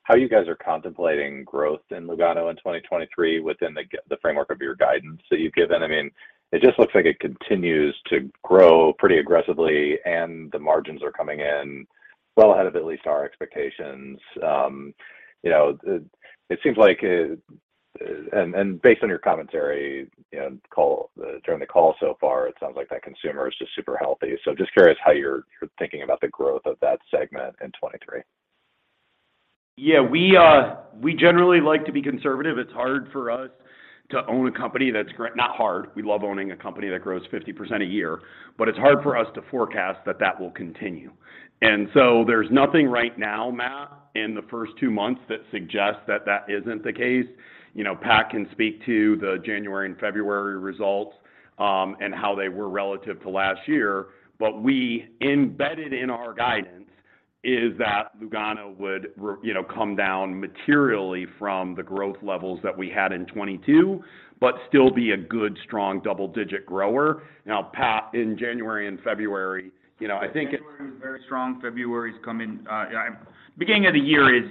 how you guys are contemplating growth in Lugano in 2023 within the framework of your guidance that you've given. I mean, it just looks like it continues to grow pretty aggressively, and the margins are coming in well ahead of at least our expectations. You know, it seems like Based on your commentary in call during the call so far, it sounds like that consumer is just super healthy. Just curious how you're thinking about the growth of that segment in 2023. Yeah. We generally like to be conservative. It's hard for us to own a company that's not hard, we love owning a company that grows 50% a year, but it's hard for us to forecast that that will continue. There's nothing right now, Matt, in the first two months that suggests that that isn't the case. You know, Pat can speak to the January and February results, and how they were relative to last year. What we embedded in our guidance is that Lugano would you know, come down materially from the growth levels that we had in 2022, but still be a good, strong double-digit grower. Now, Pat, in January and February, you know, I think it. January was very strong. February's coming. Yeah, beginning of the year is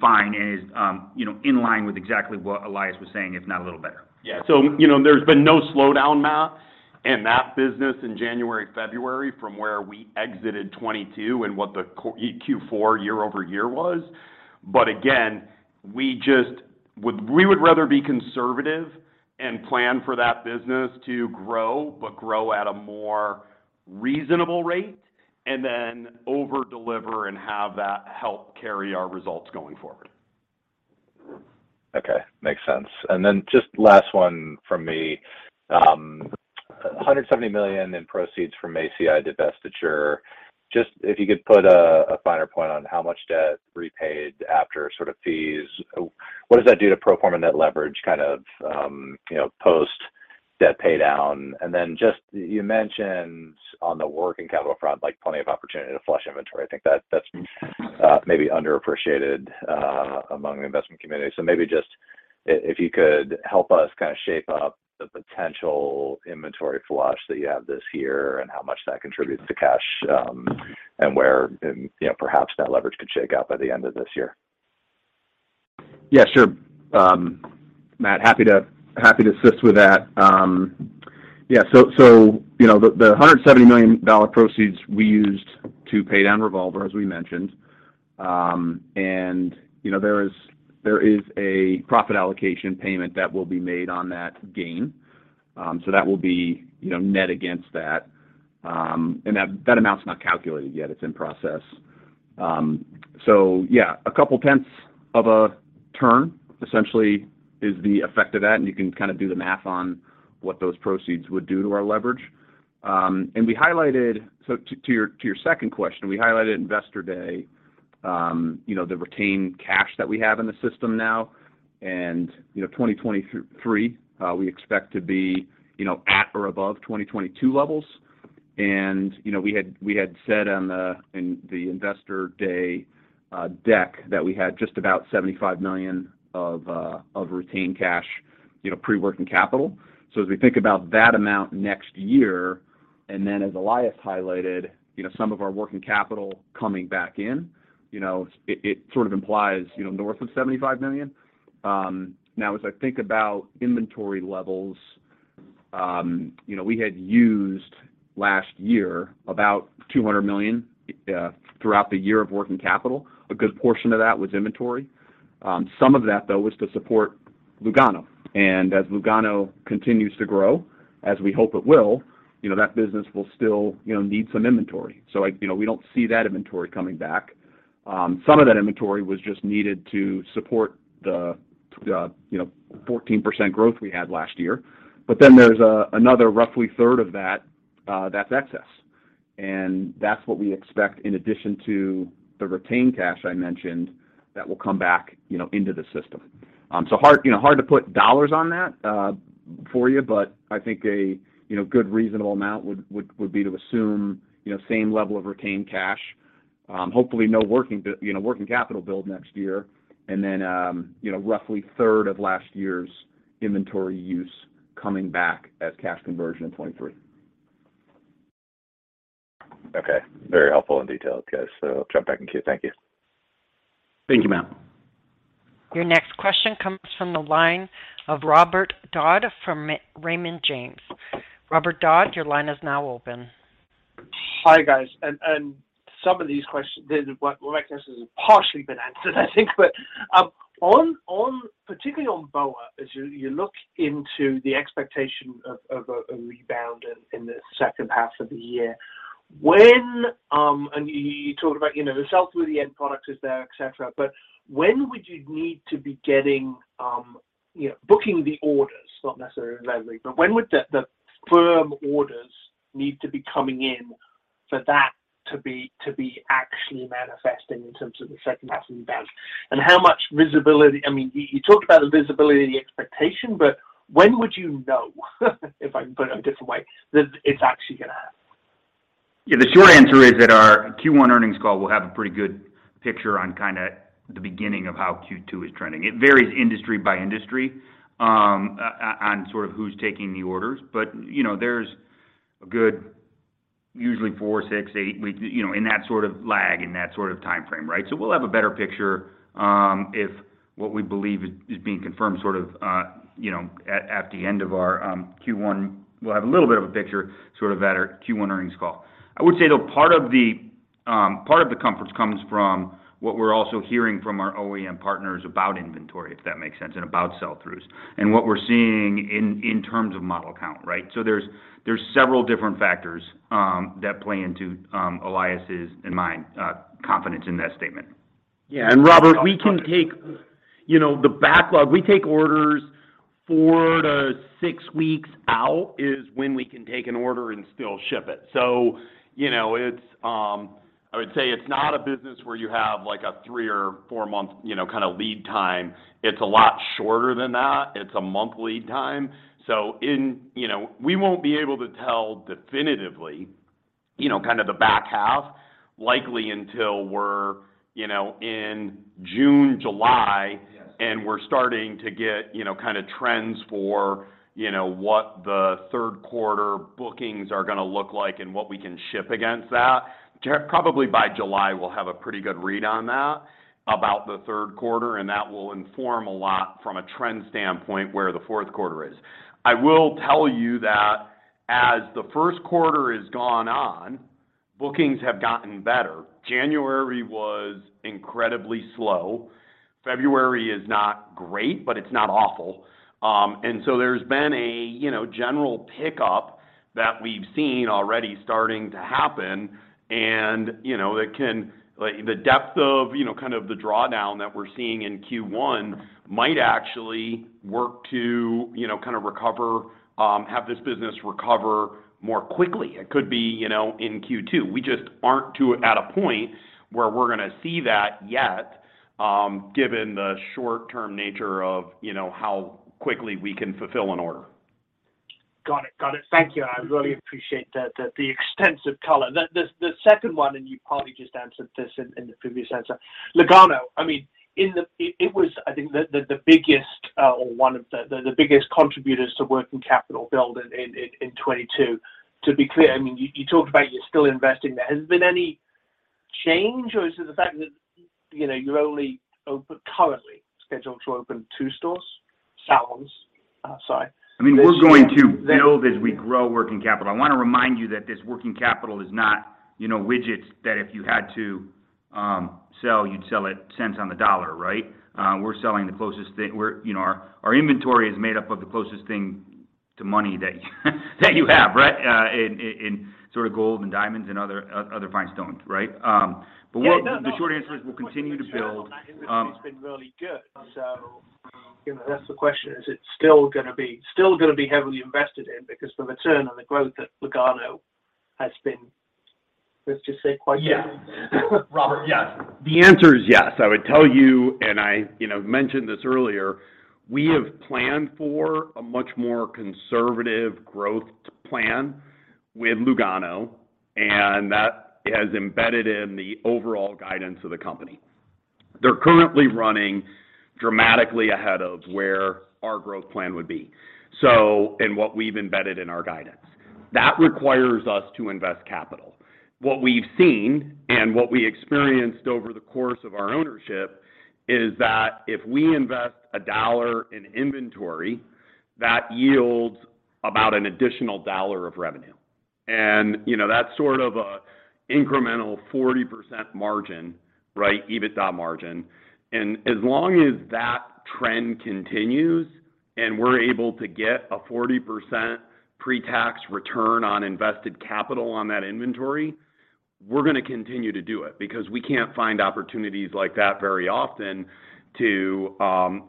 fine and is, you know, in line with exactly what Elias was saying, if not a little better. You know, there's been no slowdown, Matt, in that business in January, February from where we exited 2022 and what the Q4 year-over-year was. Again, we would rather be conservative and plan for that business to grow, but grow at a more reasonable rate, and then over-deliver and have that help carry our results going forward. Okay. Makes sense. Just last one from me. $170 million in proceeds from ACI divestiture, just if you could put a finer point on how much debt repaid after sort of fees? What does that do to pro forma net leverage kind of, you know, post-debt pay down? Just you mentioned on the working capital front, like plenty of opportunity to flush inventory. I think that's maybe underappreciated among the investment community. Maybe just if you could help us kind of shape up the potential inventory flush that you have this year and how much that contributes to cash, and where, and, you know, perhaps that leverage could shake out by the end of this year? Yeah, sure. Matt, happy to assist with that. Yeah, so, you know, the $170 million proceeds we used to pay down revolver, as we mentioned. You know, there is a profit allocation payment that will be made on that gain. That will be, you know, net against that. That amount's not calculated yet. It's in process. Yeah, a couple tenths of a turn essentially is the effect of that, and you can kind of do the math on what those proceeds would do to our leverage. We highlighted. To your second question, we highlighted at Investor Day, you know, the retained cash that we have in the system now. You know, 2023, we expect to be, you know, at or above 2022 levels. You know, we had, we had said on the, in the Investor Day deck that we had just about $75 million of retained cash, you know, pre-working capital. As we think about that amount next year, and then as Elias highlighted, you know, some of our working capital coming back in, you know, it sort of implies, you know, north of $75 million. Now as I think about inventory levels, you know, we had used last year about $200 million throughout the year of working capital. A good portion of that was inventory. Some of that though was to support Lugano. As Lugano continues to grow, as we hope it will, you know, that business will still, you know, need some inventory. You know, we don't see that inventory coming back. Some of that inventory was just needed to support the, you know, 14% growth we had last year. There's another roughly third of that's excess. That's what we expect in addition to the retained cash I mentioned that will come back, you know, into the system. Hard, you know, hard to put dollars on that for you, but I think a, you know, good reasonable amount would be to assume, you know, same level of retained cash. Hopefully no working capital build next year, and then, you know, roughly third of 2022's inventory use coming back as cash conversion in 2023. Okay. Very helpful and detailed, guys. Jump back in queue. Thank you. Thank you, Matt. Your next question comes from the line of Robert Dodd from Raymond James. Robert Dodd, your line is now open. Hi, guys. Some of these questions, what Mike asked us has partially been answered, I think. Particularly on BOA, as you look into the expectation of a rebound in the second half of the year. When you talked about, you know, the sell-through, the end product is there, et cetera. When would you need to be getting, you know, booking the orders? Not necessarily in February, but when would the firm orders need to be coming in for that to be actually manifesting in terms of the second half of the year? How much visibility? I mean, you talked about the visibility, the expectation, but when would you know, if I can put it a different way, that it's actually gonna happen? Yeah, the short answer is that our Q1 earnings call will have a pretty good picture on kinda the beginning of how Q2 is trending. It varies industry by industry, on sort of who's taking the orders. You know, there's a good usually four, six, eight weeks, you know, in that sort of lag, in that sort of timeframe, right? We'll have a better picture, if what we believe is being confirmed sort of, you know, at the end of our Q1. We'll have a little bit of a picture sort of at our Q1 earnings call. I would say, though, part of the comfort comes from what we're also hearing from our OEM partners about inventory, if that makes sense, and about sell-throughs, and what we're seeing in terms of model count, right? There's several different factors that play into Elias' and mine confidence in that statement. Yeah. Robert. Robert, we can take, you know, the backlog. We take orders four to six weeks out is when we can take an order and still ship it. You know, it's not a business where you have like a three or four-month, you know, kinda lead time. It's a lot shorter than that. It's a monthly time. You know, we won't be able to tell definitively, you know, kinda the back half likely until we're, you know, in June, July. Yes We're starting to get, you know, kinda trends for, you know, what the third quarter bookings are gonna look like and what we can ship against that. Probably by July, we'll have a pretty good read on that about the third quarter, and that will inform a lot from a trend standpoint where the fourth quarter is. I will tell you that as the first quarter has gone on, bookings have gotten better. January was incredibly slow. February is not great, but it's not awful. There's been a, you know, general pickup that we've seen already starting to happen and, you know, like the depth of, you know, kind of the drawdown that we're seeing in Q1 might actually work to, you know, kinda recover, have this business recover more quickly. It could be, you know, in Q2. We just aren't to at a point where we're gonna see that yet, given the short-term nature of, you know, how quickly we can fulfill an order. Got it. Got it. Thank you. I really appreciate the extensive color. The second one, and you partly just answered this in the previous answer. Lugano, I mean, it was I think the biggest, or one of the biggest contributors to working capital build in 2022. To be clear, I mean, you talked about you're still investing there. Has there been any change as to the fact that, you know, you're only currently scheduled to open two stores, salons? Sorry. I mean, we're going to build as we grow working capital. I wanna remind you that this working capital is not, you know, widgets that if you had to sell, you'd sell it cents on the dollar, right? We're selling the closest thing. you know, our inventory is made up of the closest thing to money that you have, right? in sort of gold and diamonds and other fine stones, right? Yeah. No, no... the short answer is we'll continue to. The return on that industry has been really good. You know, that's the question. Is it still gonna be heavily invested in? The return on the growth at Lugano has been, let's just say, quite good. Robert, yes. The answer is yes. I would tell you, and I, you know, mentioned this earlier, we have planned for a much more conservative growth plan with Lugano, and that has embedded in the overall guidance of the company. They're currently running dramatically ahead of where our growth plan would be in what we've embedded in our guidance. That requires us to invest capital. What we've seen and what we experienced over the course of our ownership is that if we invest $1 in inventory, that yields about an additional $1 of revenue. you know, that's sort of a incremental 40% margin, right? EBITDA margin. As long as that trend continues and we're able to get a 40% pre-tax return on invested capital on that inventory, we're gonna continue to do it because we can't find opportunities like that very often to,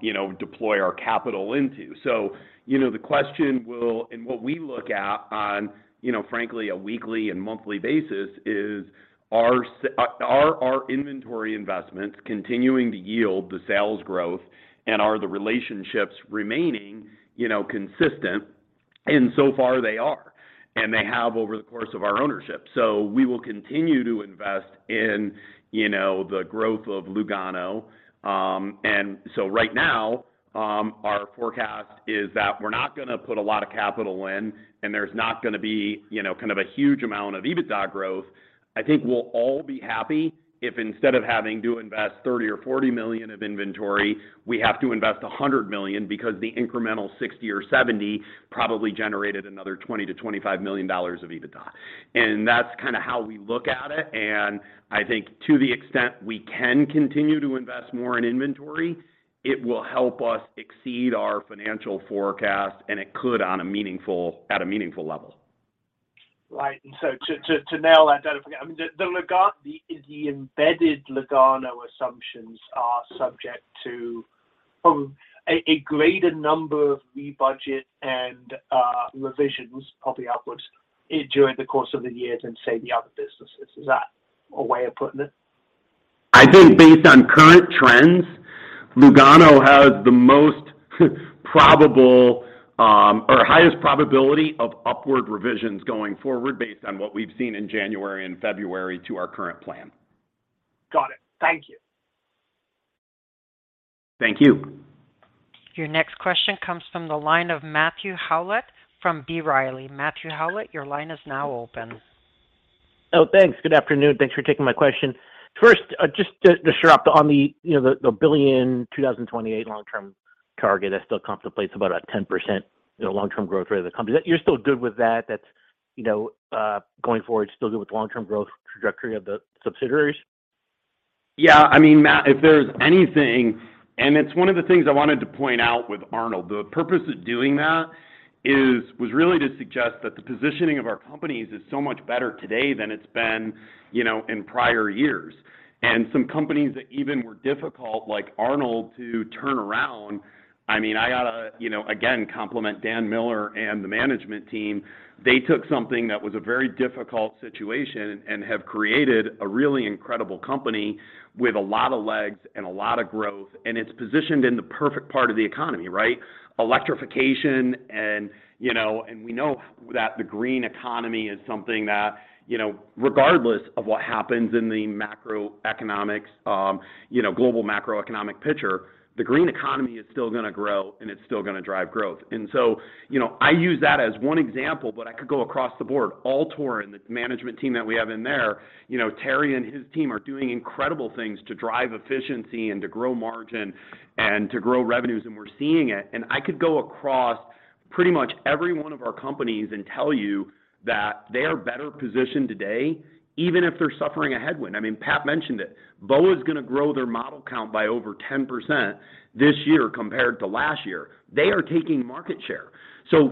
you know, deploy our capital into. You know, the question will and what we look at on, you know, frankly a weekly and monthly basis is are our inventory investments continuing to yield the sales growth and are the relationships remaining, you know, consistent? So far they are, and they have over the course of our ownership. We will continue to invest in, you know, the growth of Lugano. Right now, our forecast is that we're not gonna put a lot of capital in and there's not gonna be, you know, kind of a huge amount of EBITDA growth. I think we'll all be happy if instead of having to invest $30 million or $40 million of inventory, we have to invest $100 million because the incremental $60 million or $70 million probably generated another $20 million-$25 million of EBITDA. That's kind of how we look at it, and I think to the extent we can continue to invest more in inventory, it will help us exceed our financial forecast, and it could on a meaningful level. Right. To nail that down, I mean, the embedded Lugano assumptions are subject to a greater number of rebudget and revisions, probably upwards, during the course of the year than, say, the other businesses. Is that a way of putting it? I think based on current trends, Lugano has the most probable, or highest probability of upward revisions going forward based on what we've seen in January and February to our current plan. Got it. Thank you. Your next question comes from the line of Matthew Howlett from B. Riley. Matthew Howlett, your line is now open. Thanks. Good afternoon. Thanks for taking my question. First, just to start off, on the, you know, the $1 billion 2028 long-term target that still contemplates about a 10%, you know, long-term growth rate of the company. You're still good with that? That's, you know, going forward, still good with long-term growth trajectory of the subsidiaries? Yeah. I mean, Matt, if there's anything, it's one of the things I wanted to point out with Arnold, the purpose of doing that was really to suggest that the positioning of our companies is so much better today than it's been, you know, in prior years. Some companies that even were difficult, like Arnold, to turn around, I mean, I gotta, you know, again, compliment Dan Miller and the management team. They took something that was a very difficult situation and have created a really incredible company with a lot of legs and a lot of growth, and it's positioned in the perfect part of the economy, right? Electrification, you know, and we know that the green economy is something that, you know, regardless of what happens in the macroeconomics, you know, global macroeconomic picture, the green economy is still gonna grow, and it's still gonna drive growth. You know, I use that as one example, but I could go across the board. Altor and the management team that we have in there, you know, Terry and his team are doing incredible things to drive efficiency and to grow margin and to grow revenues, and we're seeing it. I could go across pretty much every one of our companies and tell you that they are better positioned today, even if they're suffering a headwind. I mean, Pat mentioned it. BOA's gonna grow their model count by over 10% this year compared to last year. They are taking market share.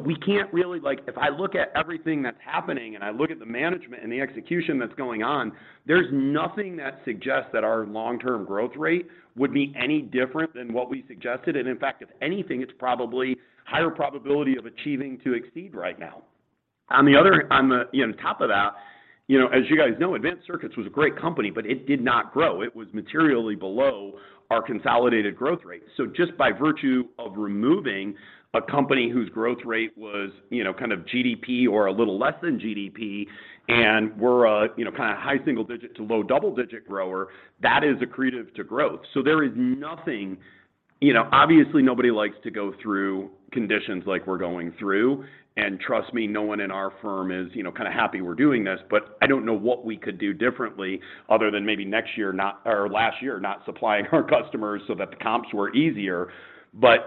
We can't really. Like, if I look at everything that's happening and I look at the management and the execution that's going on, there's nothing that suggests that our long-term growth rate would be any different than what we suggested. In fact, if anything, it's probably higher probability of achieving to exceed right now. On the, you know, top of that, you know, as you guys know, Advanced Circuits was a great company, but it did not grow. It was materially below our consolidated growth rate. Just by virtue of removing a company whose growth rate was, you know, kind of GDP or a little less than GDP, and we're a, you know, kinda high single-digit to low double-digit grower, that is accretive to growth. There is nothing. You know, obviously, nobody likes to go through conditions like we're going through, and trust me, no one in our firm is, you know, kinda happy we're doing this, but I don't know what we could do differently other than maybe next year or last year not supplying our customers so that the comps were easier.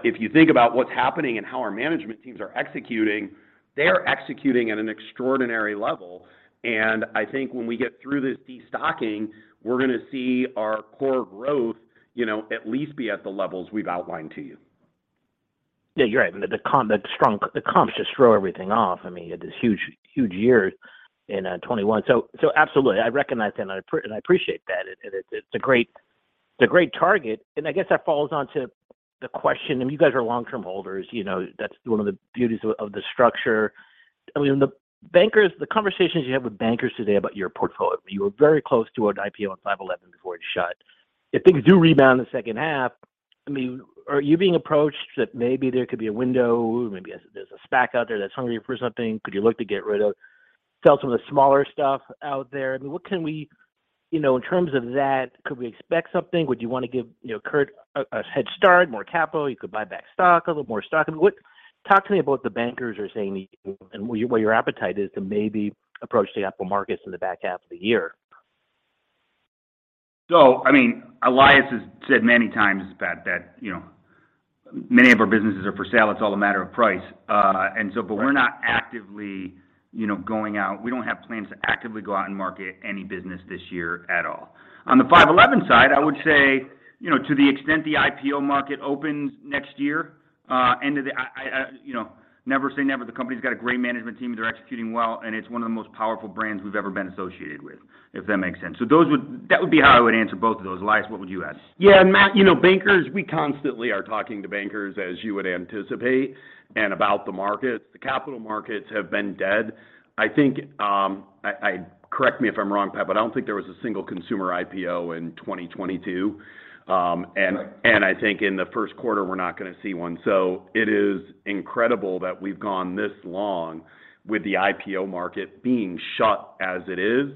If you think about what's happening and how our management teams are executing, they are executing at an extraordinary level, and I think when we get through this destocking, we're gonna see our core growth, you know, at least be at the levels we've outlined to you. Yeah, you're right. I mean, the comps just throw everything off. I mean, this huge, huge year in, 2021. Absolutely. I recognize that, and I appreciate that. It's a great, it's a great target. I guess that follows on to the question. I mean, you guys are long-term holders. You know, that's one of the beauties of the structure. I mean, the conversations you have with bankers today about your portfolio, you were very close to an IPO on 5.11 before it shut. If things do rebound in the second half, I mean, are you being approached that maybe there could be a window, maybe there's a SPAC out there that's hungry for something? Could you look to get rid of, sell some of the smaller stuff out there? I mean, you know, in terms of that, could we expect something? Would you wanna give, you know, Kurt a head start, more capital? You could buy back stock, a little more stock. I mean, talk to me about the bankers are saying and what your appetite is to maybe approach the capitalmarkets in the back half of the year. I mean, Elias has said many times that, you know, many of our businesses are for sale. It's all a matter of price. We're not actively, you know, going out. We don't have plans to actively go out and market any business this year at all. On the 5.11 side, I would say, you know, to the extent the IPO market opens next year, end of the... I, you know, never say never. The company's got a great management team. They're executing well, and it's one of the most powerful brands we've ever been associated with, if that makes sense. That would be how I would answer both of those. Elias, what would you add? Yeah. Matt, you know, bankers, we constantly are talking to bankers, as you would anticipate, and about the markets. The capital markets have been dead. I think, Correct me if I'm wrong, Pat, but I don't think there was a single consumer IPO in 2022. I think in the first quarter, we're not gonna see one. It is incredible that we've gone this long with the IPO market being shut as it is.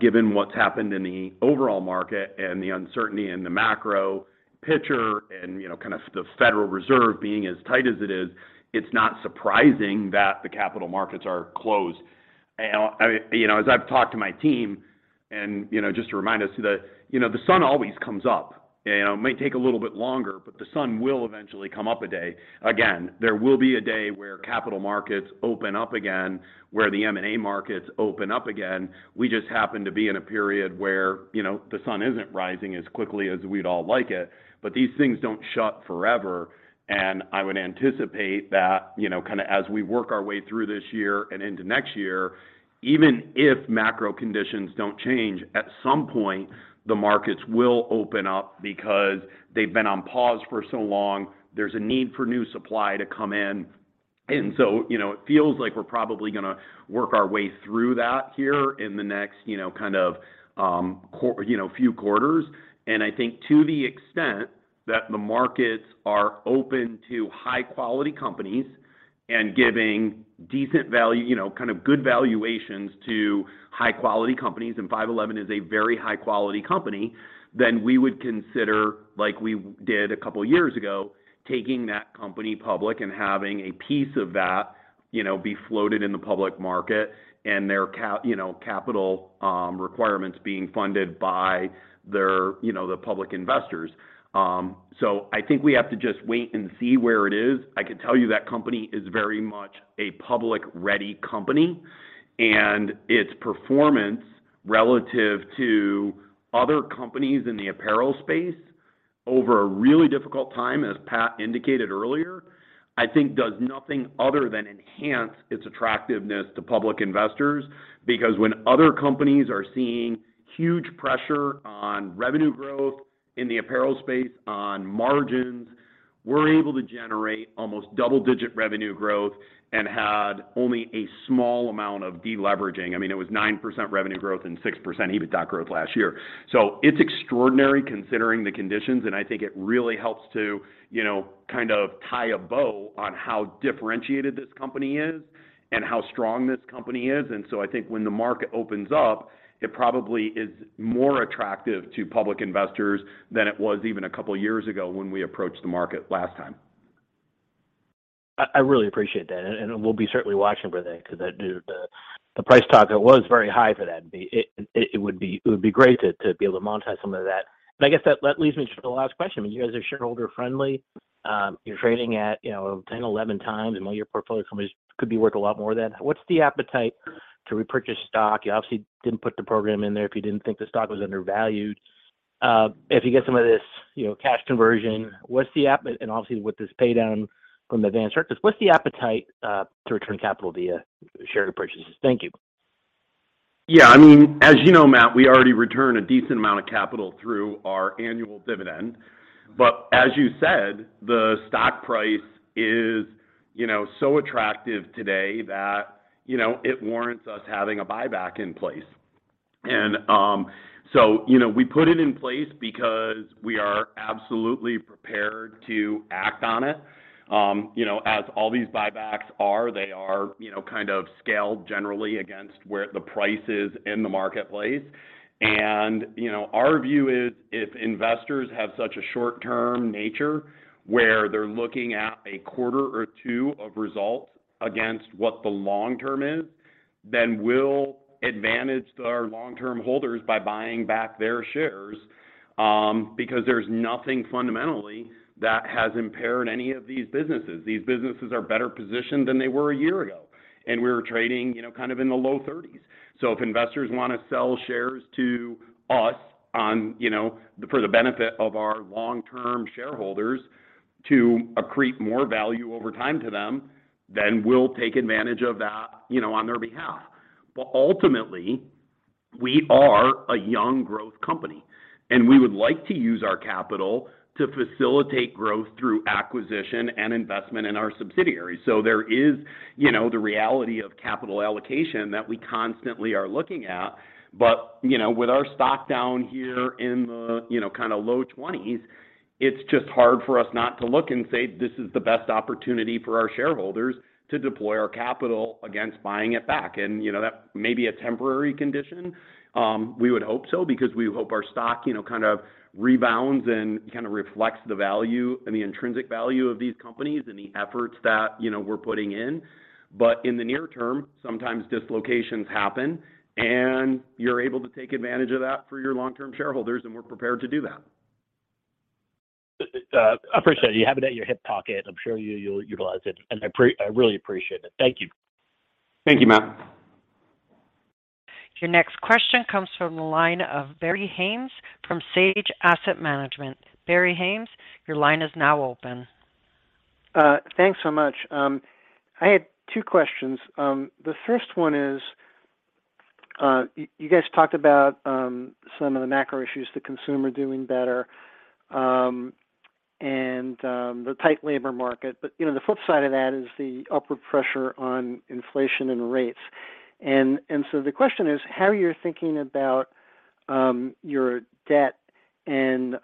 Given what's happened in the overall market and the uncertainty in the macro picture and, you know, kind of the Federal Reserve being as tight as it is, it's not surprising that the capital markets are closed. You know, as I've talked to my team. You know, just to remind us that, you know, the sun always comes up. You know, it may take a little bit longer, but the sun will eventually come up a day again. There will be a day where capital markets open up again, where the M&A markets open up again. We just happen to be in a period where, you know, the sun isn't rising as quickly as we'd all like it. These things don't shut forever. I would anticipate that, you know, kind of as we work our way through this year and into next year, even if macro conditions don't change, at some point the markets will open up because they've been on pause for so long. There's a need for new supply to come in. You know, it feels like we're probably gonna work our way through that here in the next, you know, kind of, you know, few quarters. I think to the extent that the markets are open to high-quality companies and giving decent value... you know, kind of good valuations to high-quality companies. 5.11 is a very high-quality company, then we would consider, like we did a couple years ago, taking that company public and having a piece of that, you know, be floated in the public market and their capital requirements being funded by their, you know, the public investors. I think we have to just wait and see where it is. I can tell you that company is very much a public-ready company, and its performance relative to other companies in the apparel space over a really difficult time, as Pat indicated earlier, I think does nothing other than enhance its attractiveness to public investors. When other companies are seeing huge pressure on revenue growth in the apparel space, on margins, we're able to generate almost double-digit revenue growth and had only a small amount of deleveraging. I mean, it was 9% revenue growth and 6% EBITDA growth last year. It's extraordinary considering the conditions, and I think it really helps to, you know, kind of tie a bow on how differentiated this company is and how strong this company is. I think when the market opens up, it probably is more attractive to public investors than it was even a couple years ago when we approached the market last time. I really appreciate that, and we'll be certainly watching for that because the price target was very high for that. It would be great to be able to monetize some of that. I guess that leaves me to the last question. I mean, you guys are shareholder friendly. You're trading at, you know, 10x, 11x, and while your portfolio companies could be worth a lot more than that. What's the appetite to repurchase stock? You obviously didn't put the program in there if you didn't think the stock was undervalued. If you get some of this, you know, cash conversion, what's the appetite and obviously with this pay down from Advanced Circuits, what's the appetite to return capital via share repurchases? Thank you. I mean, as you know, Matt, we already return a decent amount of capital through our annual dividend. As you said, the stock price is, you know, so attractive today that, you know, it warrants us having a buyback in place. So, you know, we put it in place because we are absolutely prepared to act on it. You know, as all these buybacks are, they are, you know, kind of scaled generally against where the price is in the marketplace. You know, our view is if investors have such a short-term nature where they're looking at a quarter or two of results against what the long term is, then we'll advantage our long-term holders by buying back their shares, because there's nothing fundamentally that has impaired any of these businesses. These businesses are better positioned than they were a year ago, and we were trading, you know, kind of in the low thirties. If investors want to sell shares to us on, you know, for the benefit of our long-term shareholders to accrete more value over time to them, then we'll take advantage of that, you know, on their behalf. Ultimately, we are a young growth company, and we would like to use our capital to facilitate growth through acquisition and investment in our subsidiaries. There is, you know, the reality of capital allocation that we constantly are looking at. You know, with our stock down here in the, you know, kind of low 20s, it's just hard for us not to look and say, "This is the best opportunity for our shareholders to deploy our capital against buying it back." You know, that may be a temporary condition. We would hope so because we hope our stock, you know, kind of rebounds and kind of reflects the value and the intrinsic value of these companies and the efforts that, you know, we're putting in. In the near term, sometimes dislocations happen, and you're able to take advantage of that for your long-term shareholders, and we're prepared to do that. appreciate it. You have it at your hip pocket. I'm sure you'll utilize it, I really appreciate it. Thank you. Thank you, Matt. Your next question comes from the line of Barry Haimes from Sage Asset Management. Barry Haimes, your line is now open. Thanks so much. I had two questions. The first one is, you guys talked about some of the macro issues, the consumer doing better, and the tight labor market. But, you know, the flip side of that is the upward pressure on inflation and rates. The question is how you're thinking about your debt and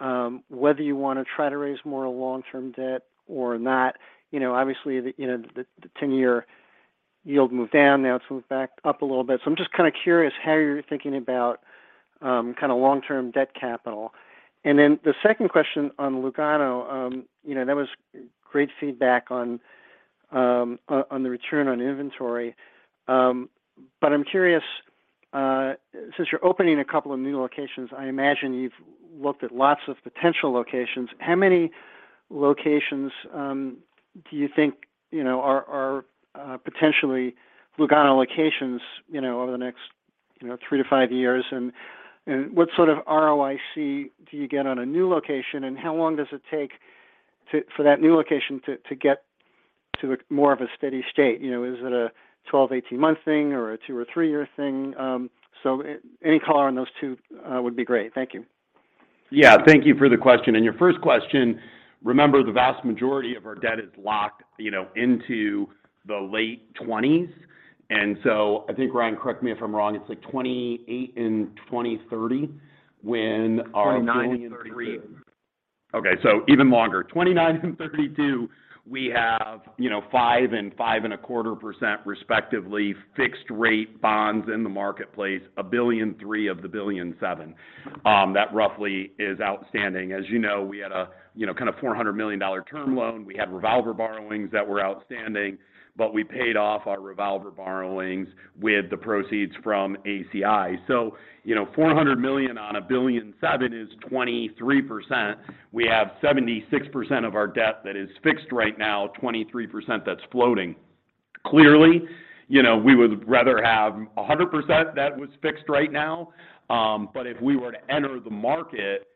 whether you wanna try to raise more long-term debt or not. You know, obviously the, you know, the 10-year yield moved down. Now it's moved back up a little bit. I'm just kind of curious how you're thinking about kind of long-term debt capital. The second question on Lugano, you know, that was great feedback on the return on inventory. I'm curious, since you're opening a couple of new locations, I imagine you've looked at lots of potential locations. How many locations do you think, you know, are potentially Lugano locations, you know, over the next, you know, three to five years? What sort of ROIC do you get on a new location, and how long does it take for that new location to get to a more of a steady state? You know, is it a 12, 18-month thing or a two or three year thing? Any color on those two would be great. Thank you. Yeah. Thank you for the question. In your first question, remember the vast majority of our debt is locked, you know, into the late twenties. I think, Ryan, correct me if I'm wrong, it's like 2028 and 2030 when our- 2029 and 2032. Okay. Even longer. 2029 and 2032, we have, you know, 5% and 5.25% respectively fixed rate bonds in the marketplace, $1.3 billion of the $1.7 billion, that roughly is outstanding. As you know, we had a, you know, kind of $400 million term loan. We had revolver borrowings that were outstanding, but we paid off our revolver borrowings with the proceeds from ACI. $400 million on $1.7 billion is 23%. We have 76% of our debt that is fixed right now, 23% that's floating. Clearly, you know, we would rather have 100% that was fixed right now. If we were to enter the market,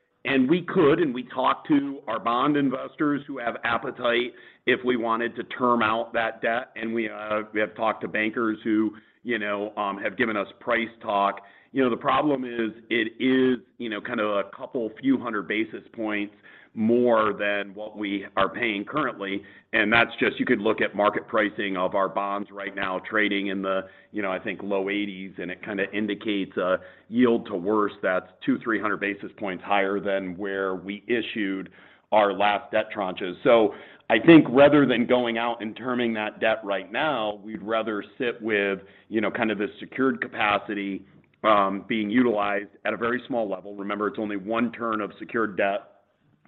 we could, we talked to our bond investors who have appetite, if we wanted to term out that debt, we have talked to bankers who, you know, have given us price talk. You know, the problem is it is, you know, kind of a 200-300 basis points more than what we are paying currently. You could look at market pricing of our bonds right now trading in the, you know, I think low 80s, and it kinda indicates a yield to worse that's 200-300 basis points higher than where we issued our last debt tranches. I think rather than going out and terming that debt right now, we'd rather sit with, you know, kind of the secured capacity, being utilized at a very small level. Remember, it's only one turn of secured debt,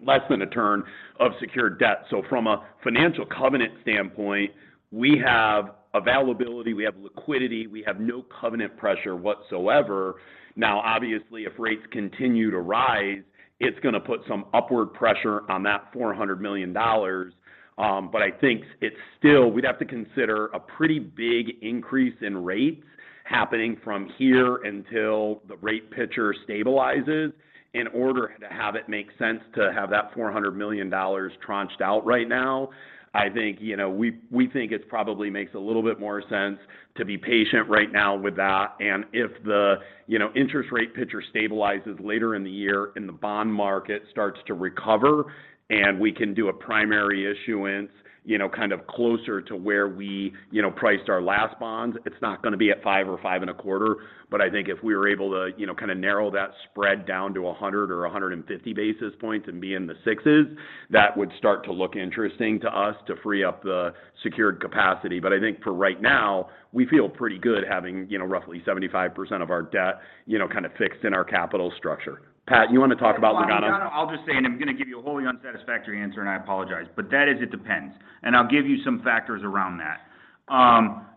less than a turn of secured debt. From a financial covenant standpoint, we have availability, we have liquidity, we have no covenant pressure whatsoever. Now, obviously, if rates continue to rise, it's gonna put some upward pressure on that $400 million. I think it's still, we'd have to consider a pretty big increase in rates happening from here until the rate picture stabilizes in order to have it make sense to have that $400 million tranched out right now. I think, you know, we think it probably makes a little bit more sense to be patient right now with that. If the, you know, interest rate picture stabilizes later in the year and the bond market starts to recover and we can do a primary issuance, you know, kind of closer to where we, you know, priced our last bonds, it's not gonna be at five or five and a quarter. I think if we were able to, you know, kind of narrow that spread down to 100 or 150 basis points and be in the sixes, that would start to look interesting to us to free up the secured capacity. I think for right now, we feel pretty good having, you know, roughly 75% of our debt, you know, kind of fixed in our capital structure. Pat, you wanna talk about Lugano? On Lugano, I'll just say, I'm gonna give you a wholly unsatisfactory answer, and I apologize, but that is it depends. I'll give you some factors around that.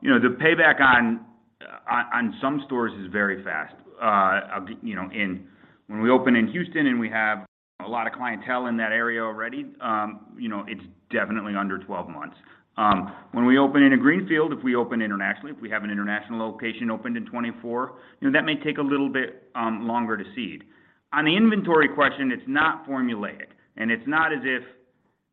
You know, the payback on some stores is very fast. You know, when we open in Houston and we have a lot of clientele in that area already, you know, it's definitely under 12 months. When we open in a greenfield, if we open internationally, if we have an international location opened in 2024, you know, that may take a little bit longer to seed. On the inventory question, it's not formulaic, it's not as if,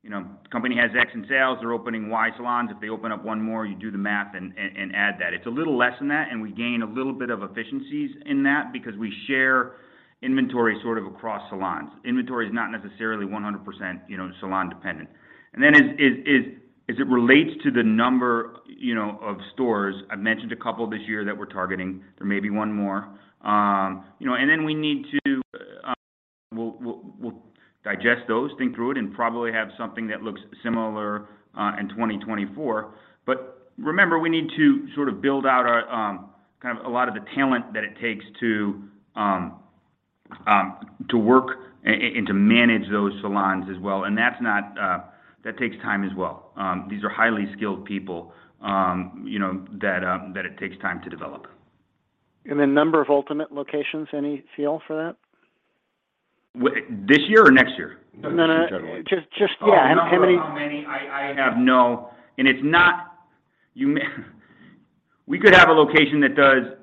you know, company has X in sales, they're opening Y salons. If they open up 1 more, you do the math and add that. It's a little less than that. We gain a little bit of efficiencies in that because we share inventory sort of across salons. Inventory is not necessarily 100%, you know, salon dependent. Then as it relates to the number, you know, of stores, I've mentioned a couple this year that we're targeting. There may be one more. You know, then we need to. We'll digest those, think through it, and probably have something that looks similar in 2024. Remember, we need to sort of build out our kind of a lot of the talent that it takes to work and to manage those salons as well. That's not. That takes time as well. These are highly skilled people, you know, that it takes time to develop. The number of ultimate locations, any feel for that? This year or next year? Just generally. No, no. Just, yeah. Oh, number of how many, I have no. It's not. We could have a location that does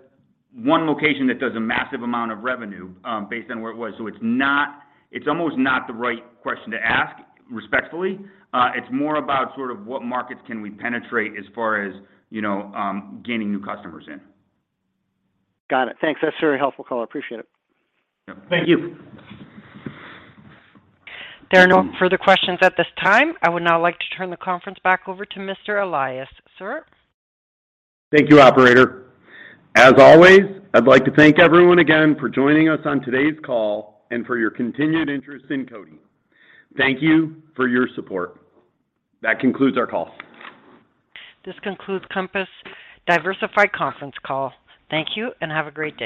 one location that does a massive amount of revenue, based on where it was. It's almost not the right question to ask, respectfully. It's more about sort of what markets can we penetrate as far as, you know, gaining new customers in. Got it. Thanks. That's a very helpful call. I appreciate it. Yeah. Thank you. There are no further questions at this time. I would now like to turn the conference back over to Mr. Elias, sir. Thank you, operator. As always, I'd like to thank everyone again for joining us on today's call and for your continued interest in CODI. Thank you for your support. That concludes our call. This concludes Compass Diversified conference call. Thank you and have a great day.